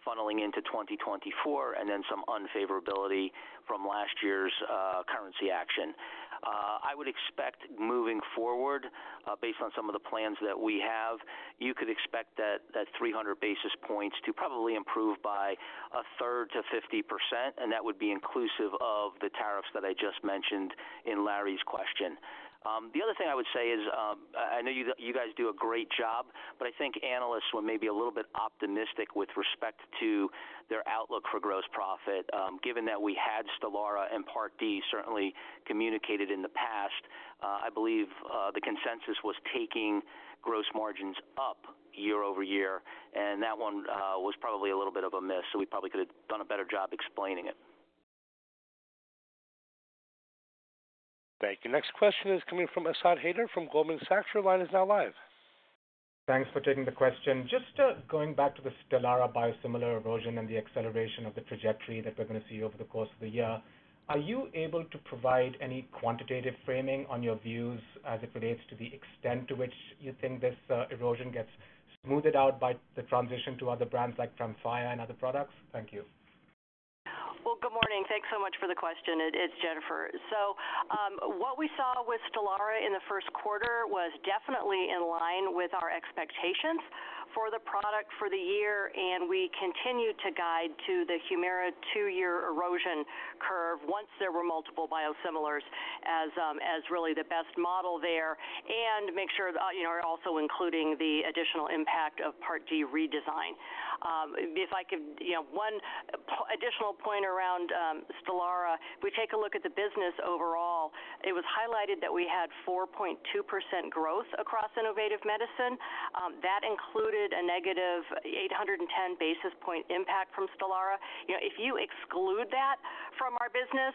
funneling into 2024, and then some unfavorability from last year's currency action. I would expect moving forward, based on some of the plans that we have, you could expect that 300 basis points to probably improve by a third to 50%, and that would be inclusive of the tariffs that I just mentioned in Larry's question. The other thing I would say is I know you guys do a great job, but I think analysts were maybe a little bit optimistic with respect to their outlook for gross profit. Given that we had Stelara and Part D certainly communicated in the past, I believe the consensus was taking gross margins up year over year, and that one was probably a little bit of a miss, so we probably could have done a better job explaining it. Thank you. Next question is coming from Asad Haider from Goldman Sachs. Your line is now live. Thanks for taking the question. Just going back to the Stelara biosimilar erosion and the acceleration of the trajectory that we're going to see over the course of the year, are you able to provide any quantitative framing on your views as it relates to the extent to which you think this erosion gets smoothed out by the transition to other brands like Tremfya and other products? Thank you. Good morning. Thanks so much for the question. It's Jennifer. What we saw with Stelara in the first quarter was definitely in line with our expectations for the product for the year, and we continue to guide to the Humira two-year erosion curve once there were multiple biosimilars as really the best model there and make sure also including the additional impact of Part D redesign. If I could, one additional point around Stelara, if we take a look at the business overall, it was highlighted that we had 4.2% growth across innovative medicine. That included a -810 basis point impact from Stelara. If you exclude that from our business,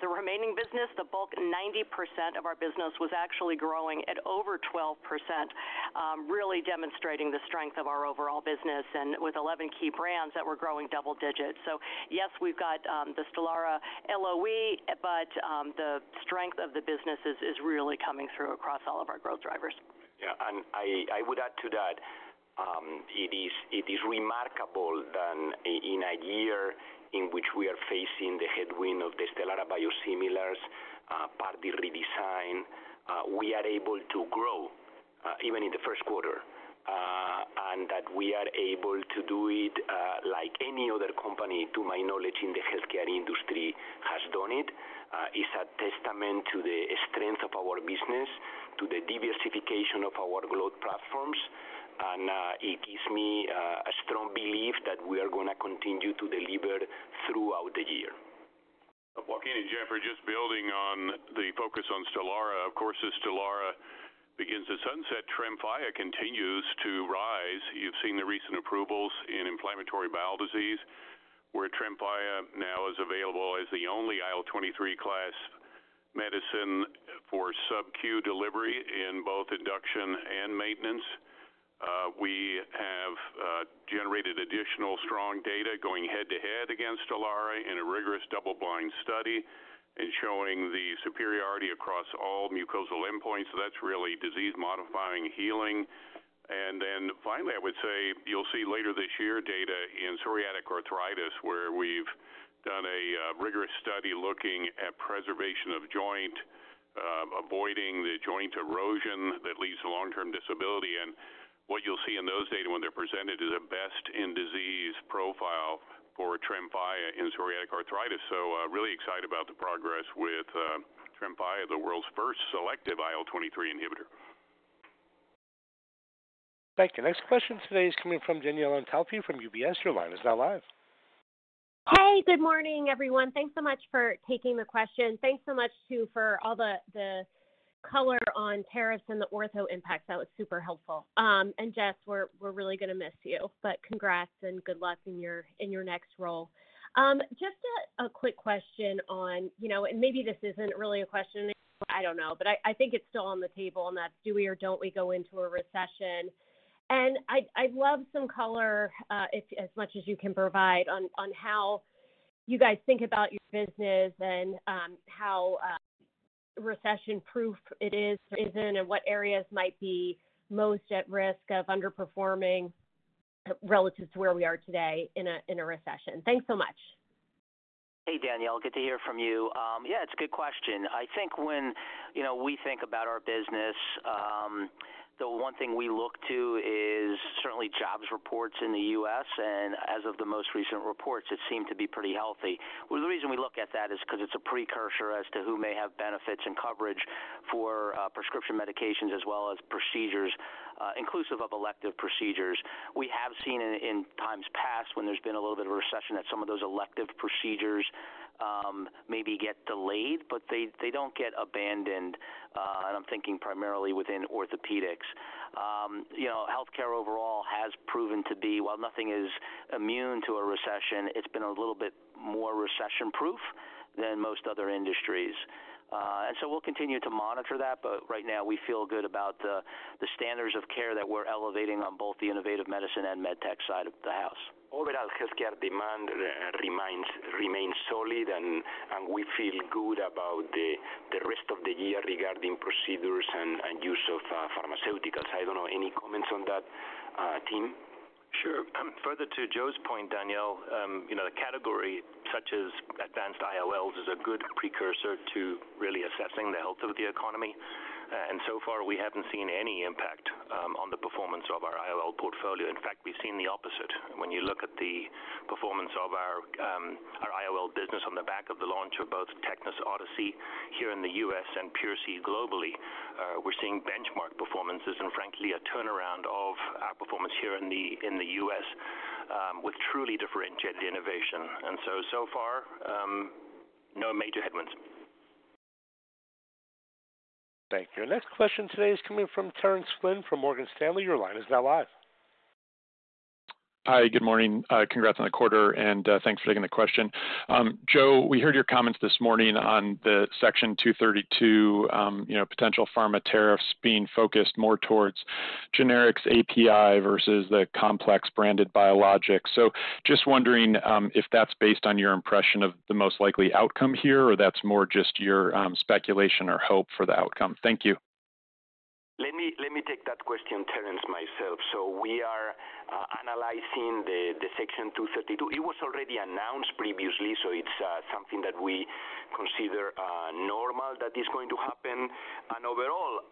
the remaining business, the bulk, 90% of our business was actually growing at over 12%, really demonstrating the strength of our overall business and with 11 key brands that were growing double digits. Yes, we have got the Stelara LOE, but the strength of the business is really coming through across all of our growth drivers. Yeah. I would add to that, it is remarkable that in a year in which we are facing the headwind of the Stelara biosimilars Part D redesign, we are able to grow even in the first quarter. That we are able to do it like any other company, to my knowledge, in the healthcare industry has done it, is a testament to the strength of our business, to the diversification of our growth platforms. It gives me a strong belief that we are going to continue to deliver throughout the year. Joaquin and Jennifer, just building on the focus on Stelara. Of course, as Stelara begins to sunset, Tremfya continues to rise. You've seen the recent approvals in inflammatory bowel disease, where Tremfya now is available as the only IL-23 class medicine for sub-Q delivery in both induction and maintenance. We have generated additional strong data going head-to-head against Stelara in a rigorous double-blind study and showing the superiority across all mucosal endpoints. That's really disease-modifying healing. Finally, I would say you'll see later this year data in psoriatic arthritis, where we've done a rigorous study looking at preservation of joint, avoiding the joint erosion that leads to long-term disability. What you'll see in those data when they're presented is a best-in-disease profile for Tremfya in psoriatic arthritis. Really excited about the progress with Tremfya, the world's first selective IL-23 inhibitor. Thank you. Next question today is coming from Jenny Alontaufi from UBS. Your line is now live. Hey, good morning, everyone. Thanks so much for taking the question. Thanks so much too for all the color on tariffs and the ortho impacts. That was super helpful. Jess, we're really going to miss you, but congrats and good luck in your next role. Just a quick question on, and maybe this isn't really a question. I don't know, but I think it's still on the table, and that's do we or don't we go into a recession? I'd love some color as much as you can provide on how you guys think about your business and how recession-proof it is or isn't and what areas might be most at risk of underperforming relative to where we are today in a recession. Thanks so much. Hey, Danielle. Good to hear from you. Yeah, it's a good question. I think when we think about our business, the one thing we look to is certainly jobs reports in the U.S. As of the most recent reports, it seemed to be pretty healthy. The reason we look at that is because it's a precursor as to who may have benefits and coverage for prescription medications as well as procedures, inclusive of elective procedures. We have seen in times past when there's been a little bit of a recession that some of those elective procedures maybe get delayed, but they don't get abandoned. I am thinking primarily within orthopedics. Healthcare overall has proven to be, while nothing is immune to a recession, it's been a little bit more recession-proof than most other industries. We will continue to monitor that, but right now we feel good about the standards of care that we're elevating on both the innovative medicine and MedTech side of the house. Overall, healthcare demand remains solid, and we feel good about the rest of the year regarding procedures and use of pharmaceuticals. I don't know any comments on that, Tim? Sure. Further to Joe's point, Danielle, the category such as advanced IOLs is a good precursor to really assessing the health of the economy. So far, we haven't seen any impact on the performance of our IOL portfolio. In fact, we've seen the opposite. When you look at the performance of our IOL business on the back of the launch of both Tecnis Odyssey here in the U.S. and Piercy globally, we're seeing benchmark performances and, frankly, a turnaround of our performance here in the U.S. with truly differentiated innovation. So far, no major headwinds. Thank you. Next question today is coming from Terence Flynn from Morgan Stanley. Your line is now live. Hi, good morning. Congrats on the quarter, and thanks for taking the question. Joe, we heard your comments this morning on the Section 232 potential pharma tariffs being focused more towards generics API versus the complex branded biologics. Just wondering if that's based on your impression of the most likely outcome here, or that's more just your speculation or hope for the outcome. Thank you. Let me take that question, Terrence, myself. We are analyzing the Section 232. It was already announced previously, so it's something that we consider normal that is going to happen. Overall,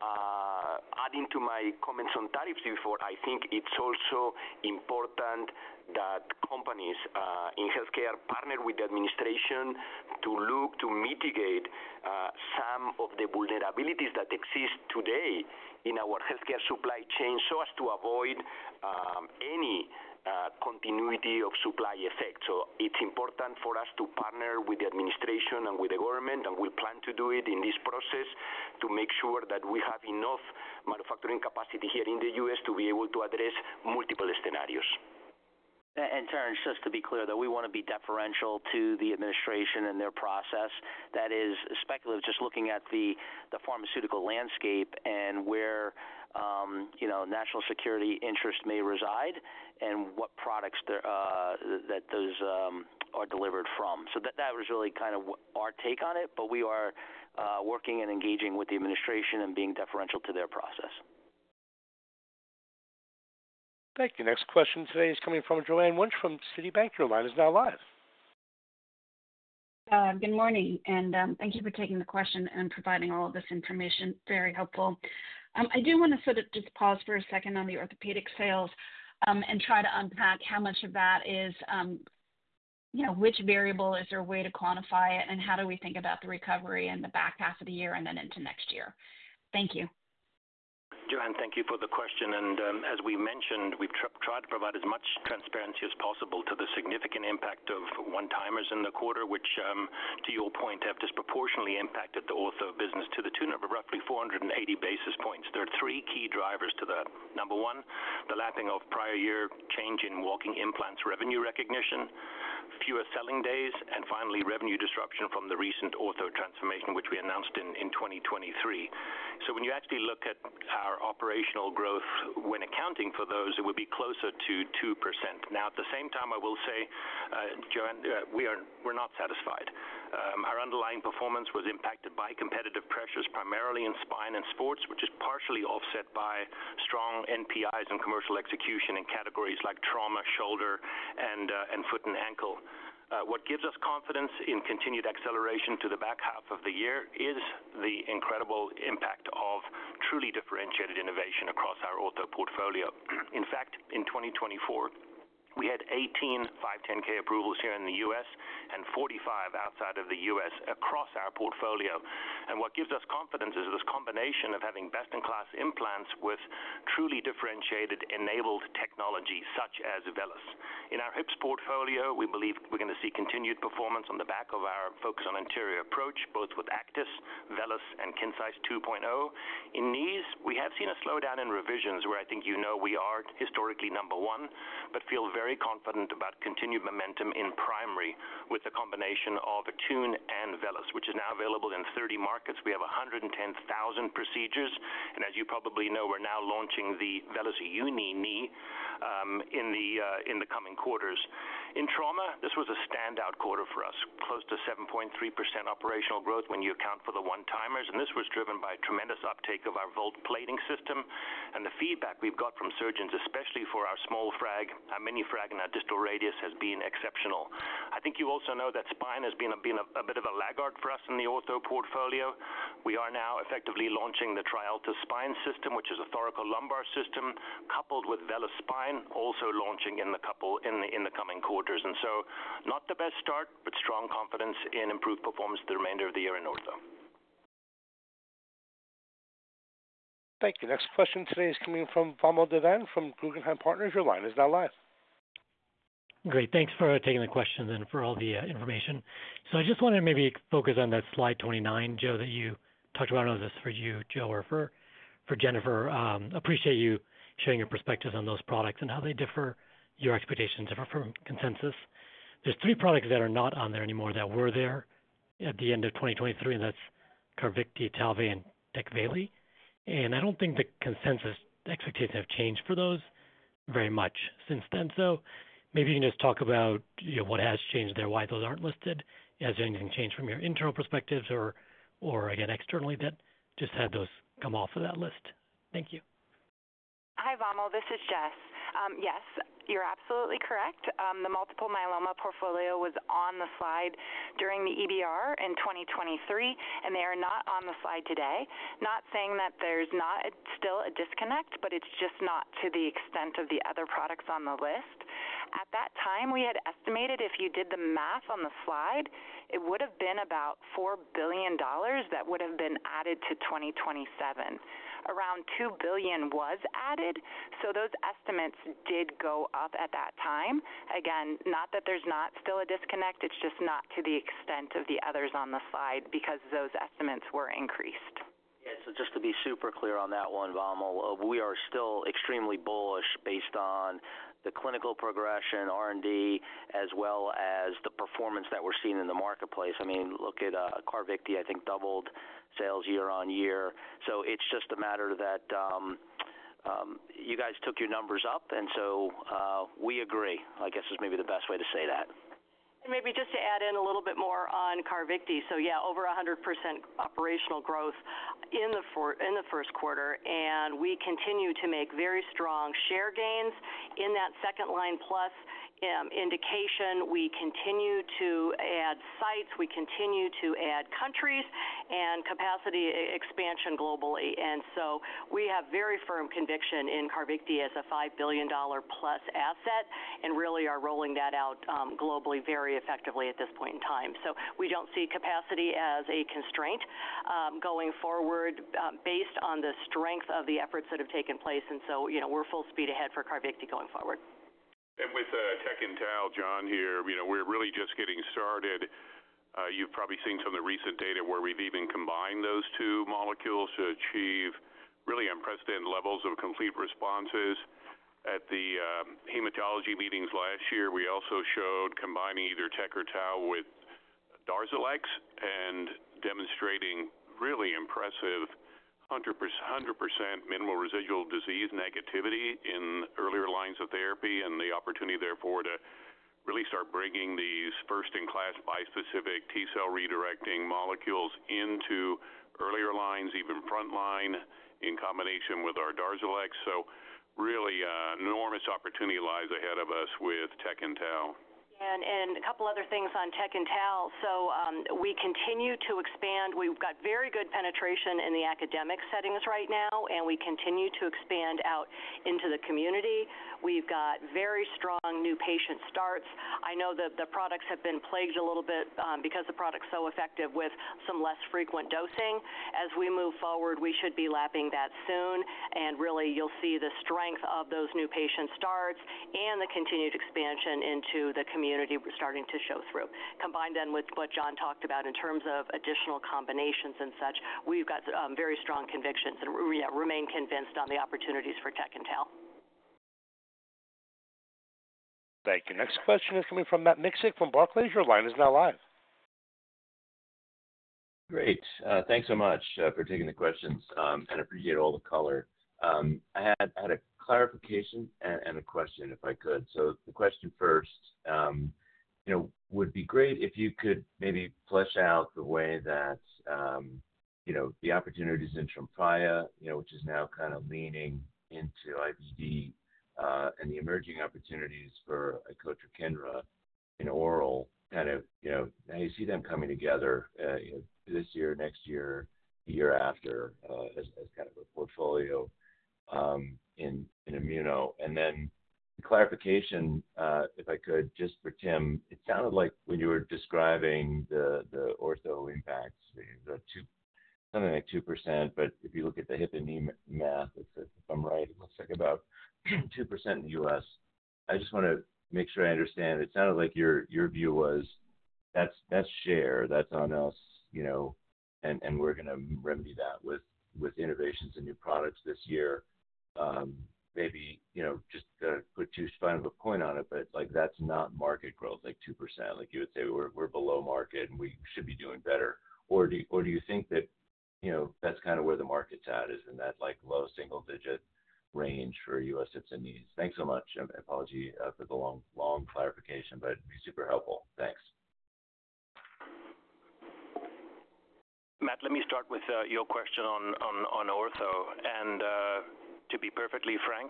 adding to my comments on tariffs before, I think it's also important that companies in healthcare partner with the administration to look to mitigate some of the vulnerabilities that exist today in our healthcare supply chain so as to avoid any continuity of supply effect. It is important for us to partner with the administration and with the government, and we plan to do it in this process to make sure that we have enough manufacturing capacity here in the U.S. to be able to address multiple scenarios. Terrence, just to be clear, though, we want to be deferential to the administration and their process. That is speculative, just looking at the pharmaceutical landscape and where national security interests may reside and what products that those are delivered from. That was really kind of our take on it, but we are working and engaging with the administration and being deferential to their process. Thank you. Next question today is coming from Joanne Wuensch from Citibank. Your line is now live. Good morning, and thank you for taking the question and providing all of this information. Very helpful. I do want to sort of just pause for a second on the orthopedic sales and try to unpack how much of that is which variable. Is there a way to quantify it, and how do we think about the recovery and the back half of the year and then into next year? Thank you. Joanne, thank you for the question. As we mentioned, we have tried to provide as much transparency as possible to the significant impact of one-timers in the quarter, which, to your point, have disproportionately impacted the ortho business to the tune of roughly 480 basis points. There are three key drivers to that. Number one, the lapping of prior year change in walking implants revenue recognition, fewer selling days, and finally, revenue disruption from the recent ortho transformation, which we announced in 2023. When you actually look at our operational growth when accounting for those, it would be closer to 2%. At the same time, I will say, Joanne, we're not satisfied. Our underlying performance was impacted by competitive pressures, primarily in spine and sports, which is partially offset by strong NPIs and commercial execution in categories like trauma, shoulder, and foot and ankle. What gives us confidence in continued acceleration to the back half of the year is the incredible impact of truly differentiated innovation across our ortho portfolio. In fact, in 2024, we had 18 510K approvals here in the U.S. and 45 outside of the U.S. across our portfolio. What gives us confidence is this combination of having best-in-class implants with truly differentiated enabled technology such as Velys. In our hips portfolio, we believe we're going to see continued performance on the back of our focus on anterior approach, both with Actis, Velys, and Kinsight 2.0. In knees, we have seen a slowdown in revisions where I think you know we are historically number one, but feel very confident about continued momentum in primary with the combination of Attune and Velys, which is now available in 30 markets. We have 110,000 procedures. And as you probably know, we're now launching the Velys Uni-Knee in the coming quarters. In trauma, this was a standout quarter for us, close to 7.3% operational growth when you account for the one-timers. This was driven by a tremendous uptake of our Volt plating system. The feedback we've got from surgeons, especially for our small frag, our mini frag and our distal radius, has been exceptional. I think you also know that spine has been a bit of a laggard for us in the ortho portfolio. We are now effectively launching the Trialta spine system, which is a thoracolumbar system, coupled with Velys spine, also launching in the coming quarters. Not the best start, but strong confidence in improved performance the remainder of the year in ortho. Thank you. Next question today is coming from Valmod Devan from Guggenheim Partners. Your line is now live. Great. Thanks for taking the question and for all the information. I just wanted to maybe focus on that slide 29, Joe, that you talked about. I do not know if that is for you, Joe, or for Jennifer. Appreciate you sharing your perspectives on those products and how they differ your expectations from consensus. There's three products that are not on there anymore that were there at the end of 2023, and that's Carvykti, Talvey, and Tecvayli. I don't think the consensus expectations have changed for those very much since then. Maybe you can just talk about what has changed there, why those aren't listed. Has anything changed from your internal perspectives or, again, externally that just had those come off of that list? Thank you. Hi, Valmod. This is Jess. Yes, you're absolutely correct. The multiple myeloma portfolio was on the slide during the EBR in 2023, and they are not on the slide today. Not saying that there's not still a disconnect, but it's just not to the extent of the other products on the list. At that time, we had estimated if you did the math on the slide, it would have been about $4 billion that would have been added to 2027. Around $2 billion was added, so those estimates did go up at that time. Again, not that there's not still a disconnect, it's just not to the extent of the others on the slide because those estimates were increased. Yeah, just to be super clear on that one, Valmod, we are still extremely bullish based on the clinical progression, R&D, as well as the performance that we're seeing in the marketplace. I mean, look at Carvykti, I think doubled sales year on year. It's just a matter that you guys took your numbers up, and so we agree, I guess is maybe the best way to say that. Maybe just to add in a little bit more on Carvykti. Yeah, over 100% operational growth in the first quarter, and we continue to make very strong share gains in that second line plus indication. We continue to add sites, we continue to add countries, and capacity expansion globally. We have very firm conviction in Carvykti as a $5 billion plus asset and really are rolling that out globally very effectively at this point in time. We do not see capacity as a constraint going forward based on the strength of the efforts that have taken place. We are full speed ahead for Carvykti going forward. With Tecvayli, John here, we are really just getting started. You have probably seen some of the recent data where we have even combined those two molecules to achieve really unprecedented levels of complete responses. At the hematology meetings last year, we also showed combining either Tecvayli with Darzalex and demonstrating really impressive 100% minimal residual disease negativity in earlier lines of therapy and the opportunity therefore to really start bringing these first-in-class bispecific T-cell redirecting molecules into earlier lines, even frontline, in combination with our Darzalex. Really enormous opportunity lies ahead of us with Tecvayli. A couple of other things on Tecvayli. We continue to expand. We have very good penetration in the academic settings right now, and we continue to expand out into the community. We have very strong new patient starts. I know that the products have been plagued a little bit because the product is so effective with some less frequent dosing. As we move forward, we should be lapping that soon. You will see the strength of those new patient starts and the continued expansion into the community starting to show through. Combined with what John talked about in terms of additional combinations and such, we have very strong convictions and remain convinced on the opportunities for Techintel. Thank you. Next question is coming from Matt Miksic from Barclays. Your line is now live. Great. Thanks so much for taking the questions. I appreciate all the color. I had a clarification and a question, if I could. The question first, it would be great if you could maybe flesh out the way that the opportunities in Tremfya, which is now kind of leaning into IVD, and the emerging opportunities for Icotrokinra in oral. Kind of how you see them coming together this year, next year, the year after as kind of a portfolio in immuno. Then the clarification, if I could, just for Tim, it sounded like when you were describing the ortho impacts, something like 2%, but if you look at the HIPAA math, if I'm right, it looks like about 2% in the U.S. I just want to make sure I understand. It sounded like your view was, "That's share. That's on us, and we're going to remedy that with innovations and new products this year." Maybe just to put too fine of a point on it, but that's not market growth, like 2%. You would say, "We're below market, and we should be doing better." Do you think that that's kind of where the market's at, is in that low single-digit range for U.S. hips and knees? Thanks so much. Apology for the long clarification, but it'd be super helpful. Thanks. Matt, let me start with your question on ortho. To be perfectly frank,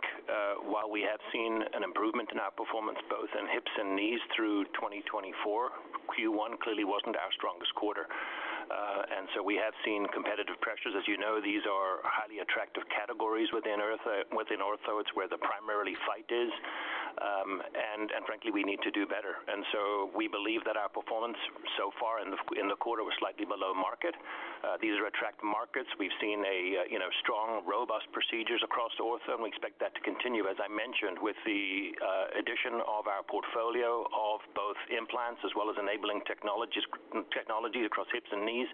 while we have seen an improvement in our performance, both in hips and knees through 2024, Q1 clearly was not our strongest quarter. We have seen competitive pressures. As you know, these are highly attractive categories within ortho. It is where the primary fight is. Frankly, we need to do better. We believe that our performance so far in the quarter was slightly below market. These are attractive markets. We have seen strong, robust procedures across ortho. We expect that to continue. As I mentioned, with the addition of our portfolio of both implants as well as enabling technologies across hips and knees,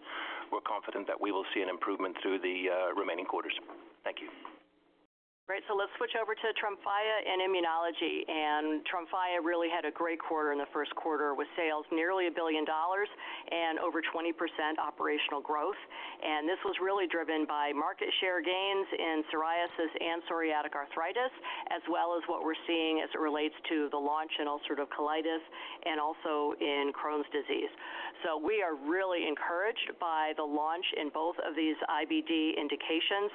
we are confident that we will see an improvement through the remaining quarters. Thank you. Great. Let us switch over to Tremfya and immunology. Tremfya really had a great quarter in the first quarter with sales nearly $1 billion and over 20% operational growth. This was really driven by market share gains in psoriasis and psoriatic arthritis, as well as what we are seeing as it relates to the launch in ulcerative colitis and also in Crohn's disease. We are really encouraged by the launch in both of these IBD indications.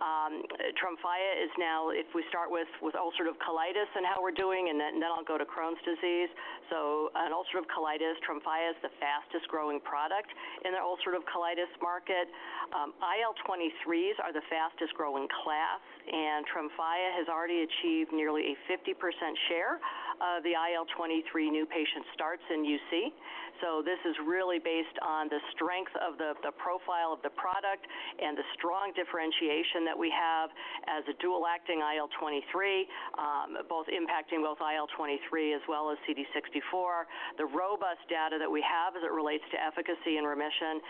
Tremfya is now, if we start with ulcerative colitis and how we are doing, and then I'll go to Crohn's disease. In ulcerative colitis, Tremfya is the fastest-growing product in the ulcerative colitis market. IL-23s are the fastest-growing class. Tremfya has already achieved nearly a 50% share of the IL-23 new patient starts in UC. This is really based on the strength of the profile of the product and the strong differentiation that we have as a dual-acting IL-23, both impacting both IL-23 as well as CD64, the robust data that we have as it relates to efficacy and remission.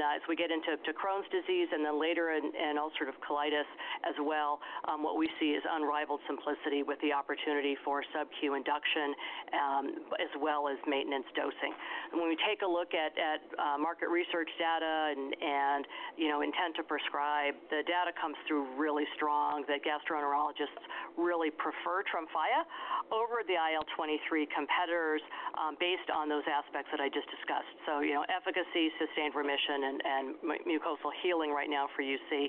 As we get into Crohn's disease and then later in ulcerative colitis as well, what we see is unrivaled simplicity with the opportunity for subcu induction as well as maintenance dosing. When we take a look at market research data and intent to prescribe, the data comes through really strong that gastroenterologists really prefer Tremfya over the IL-23 competitors based on those aspects that I just discussed. Efficacy, sustained remission, and mucosal healing right now for UC.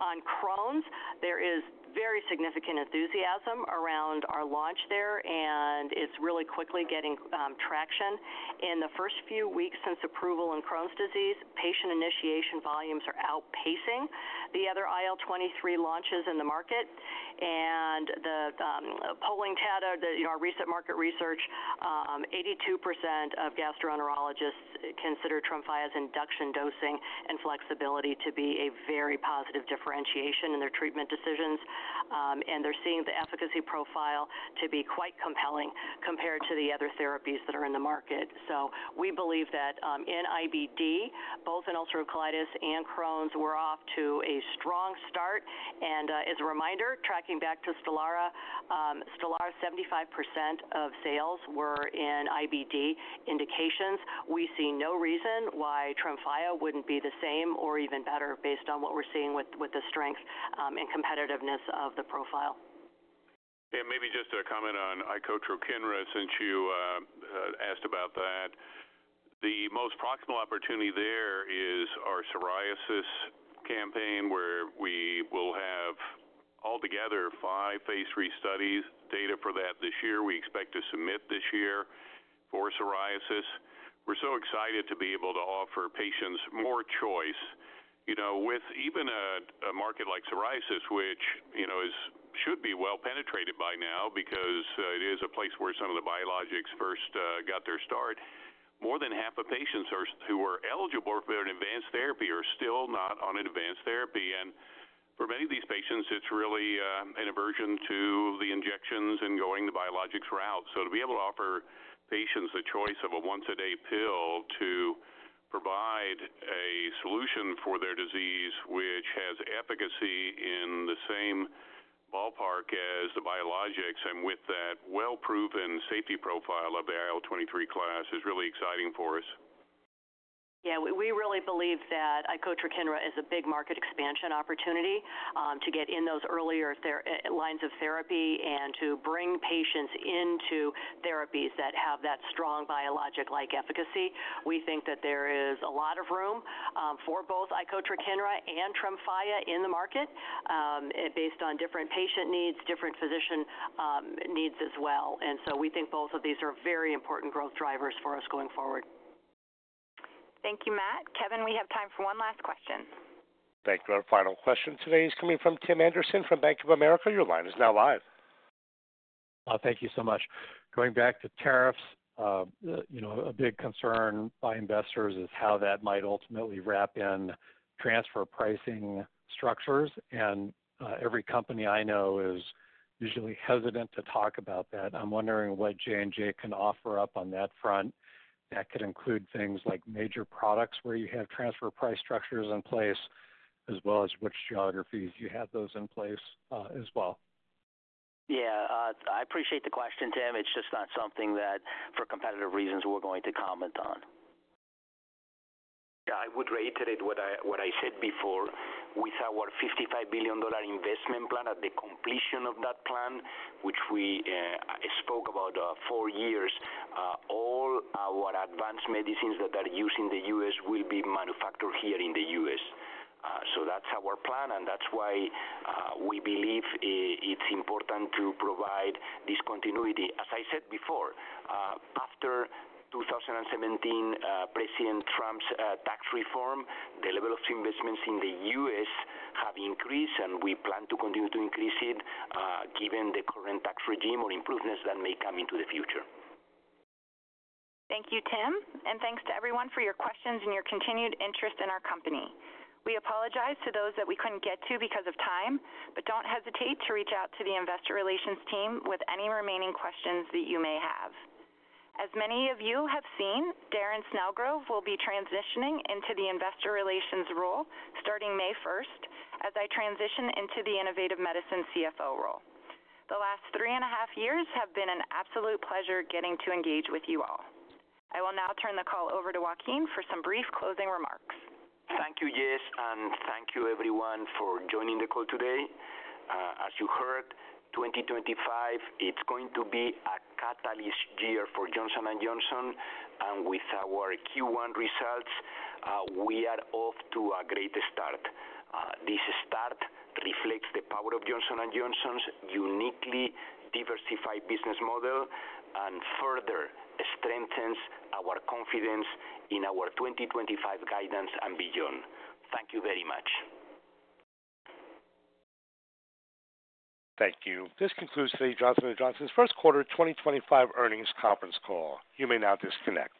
On Crohn's, there is very significant enthusiasm around our launch there, and it's really quickly getting traction. In the first few weeks since approval in Crohn's disease, patient initiation volumes are outpacing the other IL-23 launches in the market. The polling data, our recent market research, 82% of gastroenterologists consider Tremfya's induction dosing and flexibility to be a very positive differentiation in their treatment decisions. They are seeing the efficacy profile to be quite compelling compared to the other therapies that are in the market. We believe that in IBD, both in ulcerative colitis and Crohn's, we are off to a strong start. As a reminder, tracking back to Stelara, Stelara's 75% of sales were in IBD indications. We see no reason why Tremfya would not be the same or even better based on what we are seeing with the strength and competitiveness of the profile. Maybe just a comment on Icotrokinra since you asked about that. The most proximal opportunity there is our psoriasis campaign where we will have altogether five phase three studies. Data for that this year, we expect to submit this year for psoriasis. We're so excited to be able to offer patients more choice. With even a market like psoriasis, which should be well penetrated by now because it is a place where some of the biologics first got their start, more than half of patients who were eligible for advanced therapy are still not on advanced therapy. For many of these patients, it's really an aversion to the injections and going the biologics route. To be able to offer patients the choice of a once-a-day pill to provide a solution for their disease, which has efficacy in the same ballpark as the biologics and with that well-proven safety profile of the IL-23 class, is really exciting for us. Yeah, we really believe that Icotrokinra is a big market expansion opportunity to get in those earlier lines of therapy and to bring patients into therapies that have that strong biologic-like efficacy. We think that there is a lot of room for both Icotrokinra and Tremfya in the market based on different patient needs, different physician needs as well. We think both of these are very important growth drivers for us going forward. Thank you, Matt. Kevin, we have time for one last question. Thank you. Our final question today is coming from Tim Anderson from Bank of America. Your line is now live. Thank you so much. Going back to tariffs, a big concern by investors is how that might ultimately wrap in transfer pricing structures. Every company I know is usually hesitant to talk about that. I'm wondering what J&J can offer up on that front. That could include things like major products where you have transfer price structures in place, as well as which geographies you have those in place as well. Yeah, I appreciate the question, Tim. It's just not something that, for competitive reasons, we're going to comment on. Yeah, I would reiterate what I said before. With our $55 billion investment plan, at the completion of that plan, which we spoke about four years, all our advanced medicines that are used in the US will be manufactured here in the US. That is our plan, and that is why we believe it's important to provide this continuity. As I said before, after 2017, President Trump's tax reform, the level of investments in the U.S. have increased, and we plan to continue to increase it given the current tax regime or improvements that may come into the future. Thank you, Tim. Thank you to everyone for your questions and your continued interest in our company. We apologize to those that we could not get to because of time, but do not hesitate to reach out to the investor relations team with any remaining questions that you may have. As many of you have seen, Darren Snellgrove will be transitioning into the investor relations role starting May 1 as I transition into the Innovative Medicine CFO role. The last three and a half years have been an absolute pleasure getting to engage with you all. I will now turn the call over to Joaquin for some brief closing remarks. Thank you, Jess, and thank you, everyone, for joining the call today. As you heard, 2025, it's going to be a catalyst year for Johnson & Johnson. With our Q1 results, we are off to a great start. This start reflects the power of Johnson & Johnson's uniquely diversified business model and further strengthens our confidence in our 2025 guidance and beyond. Thank you very much. Thank you. This concludes the Johnson & Johnson's first quarter 2025 earnings conference call. You may now disconnect.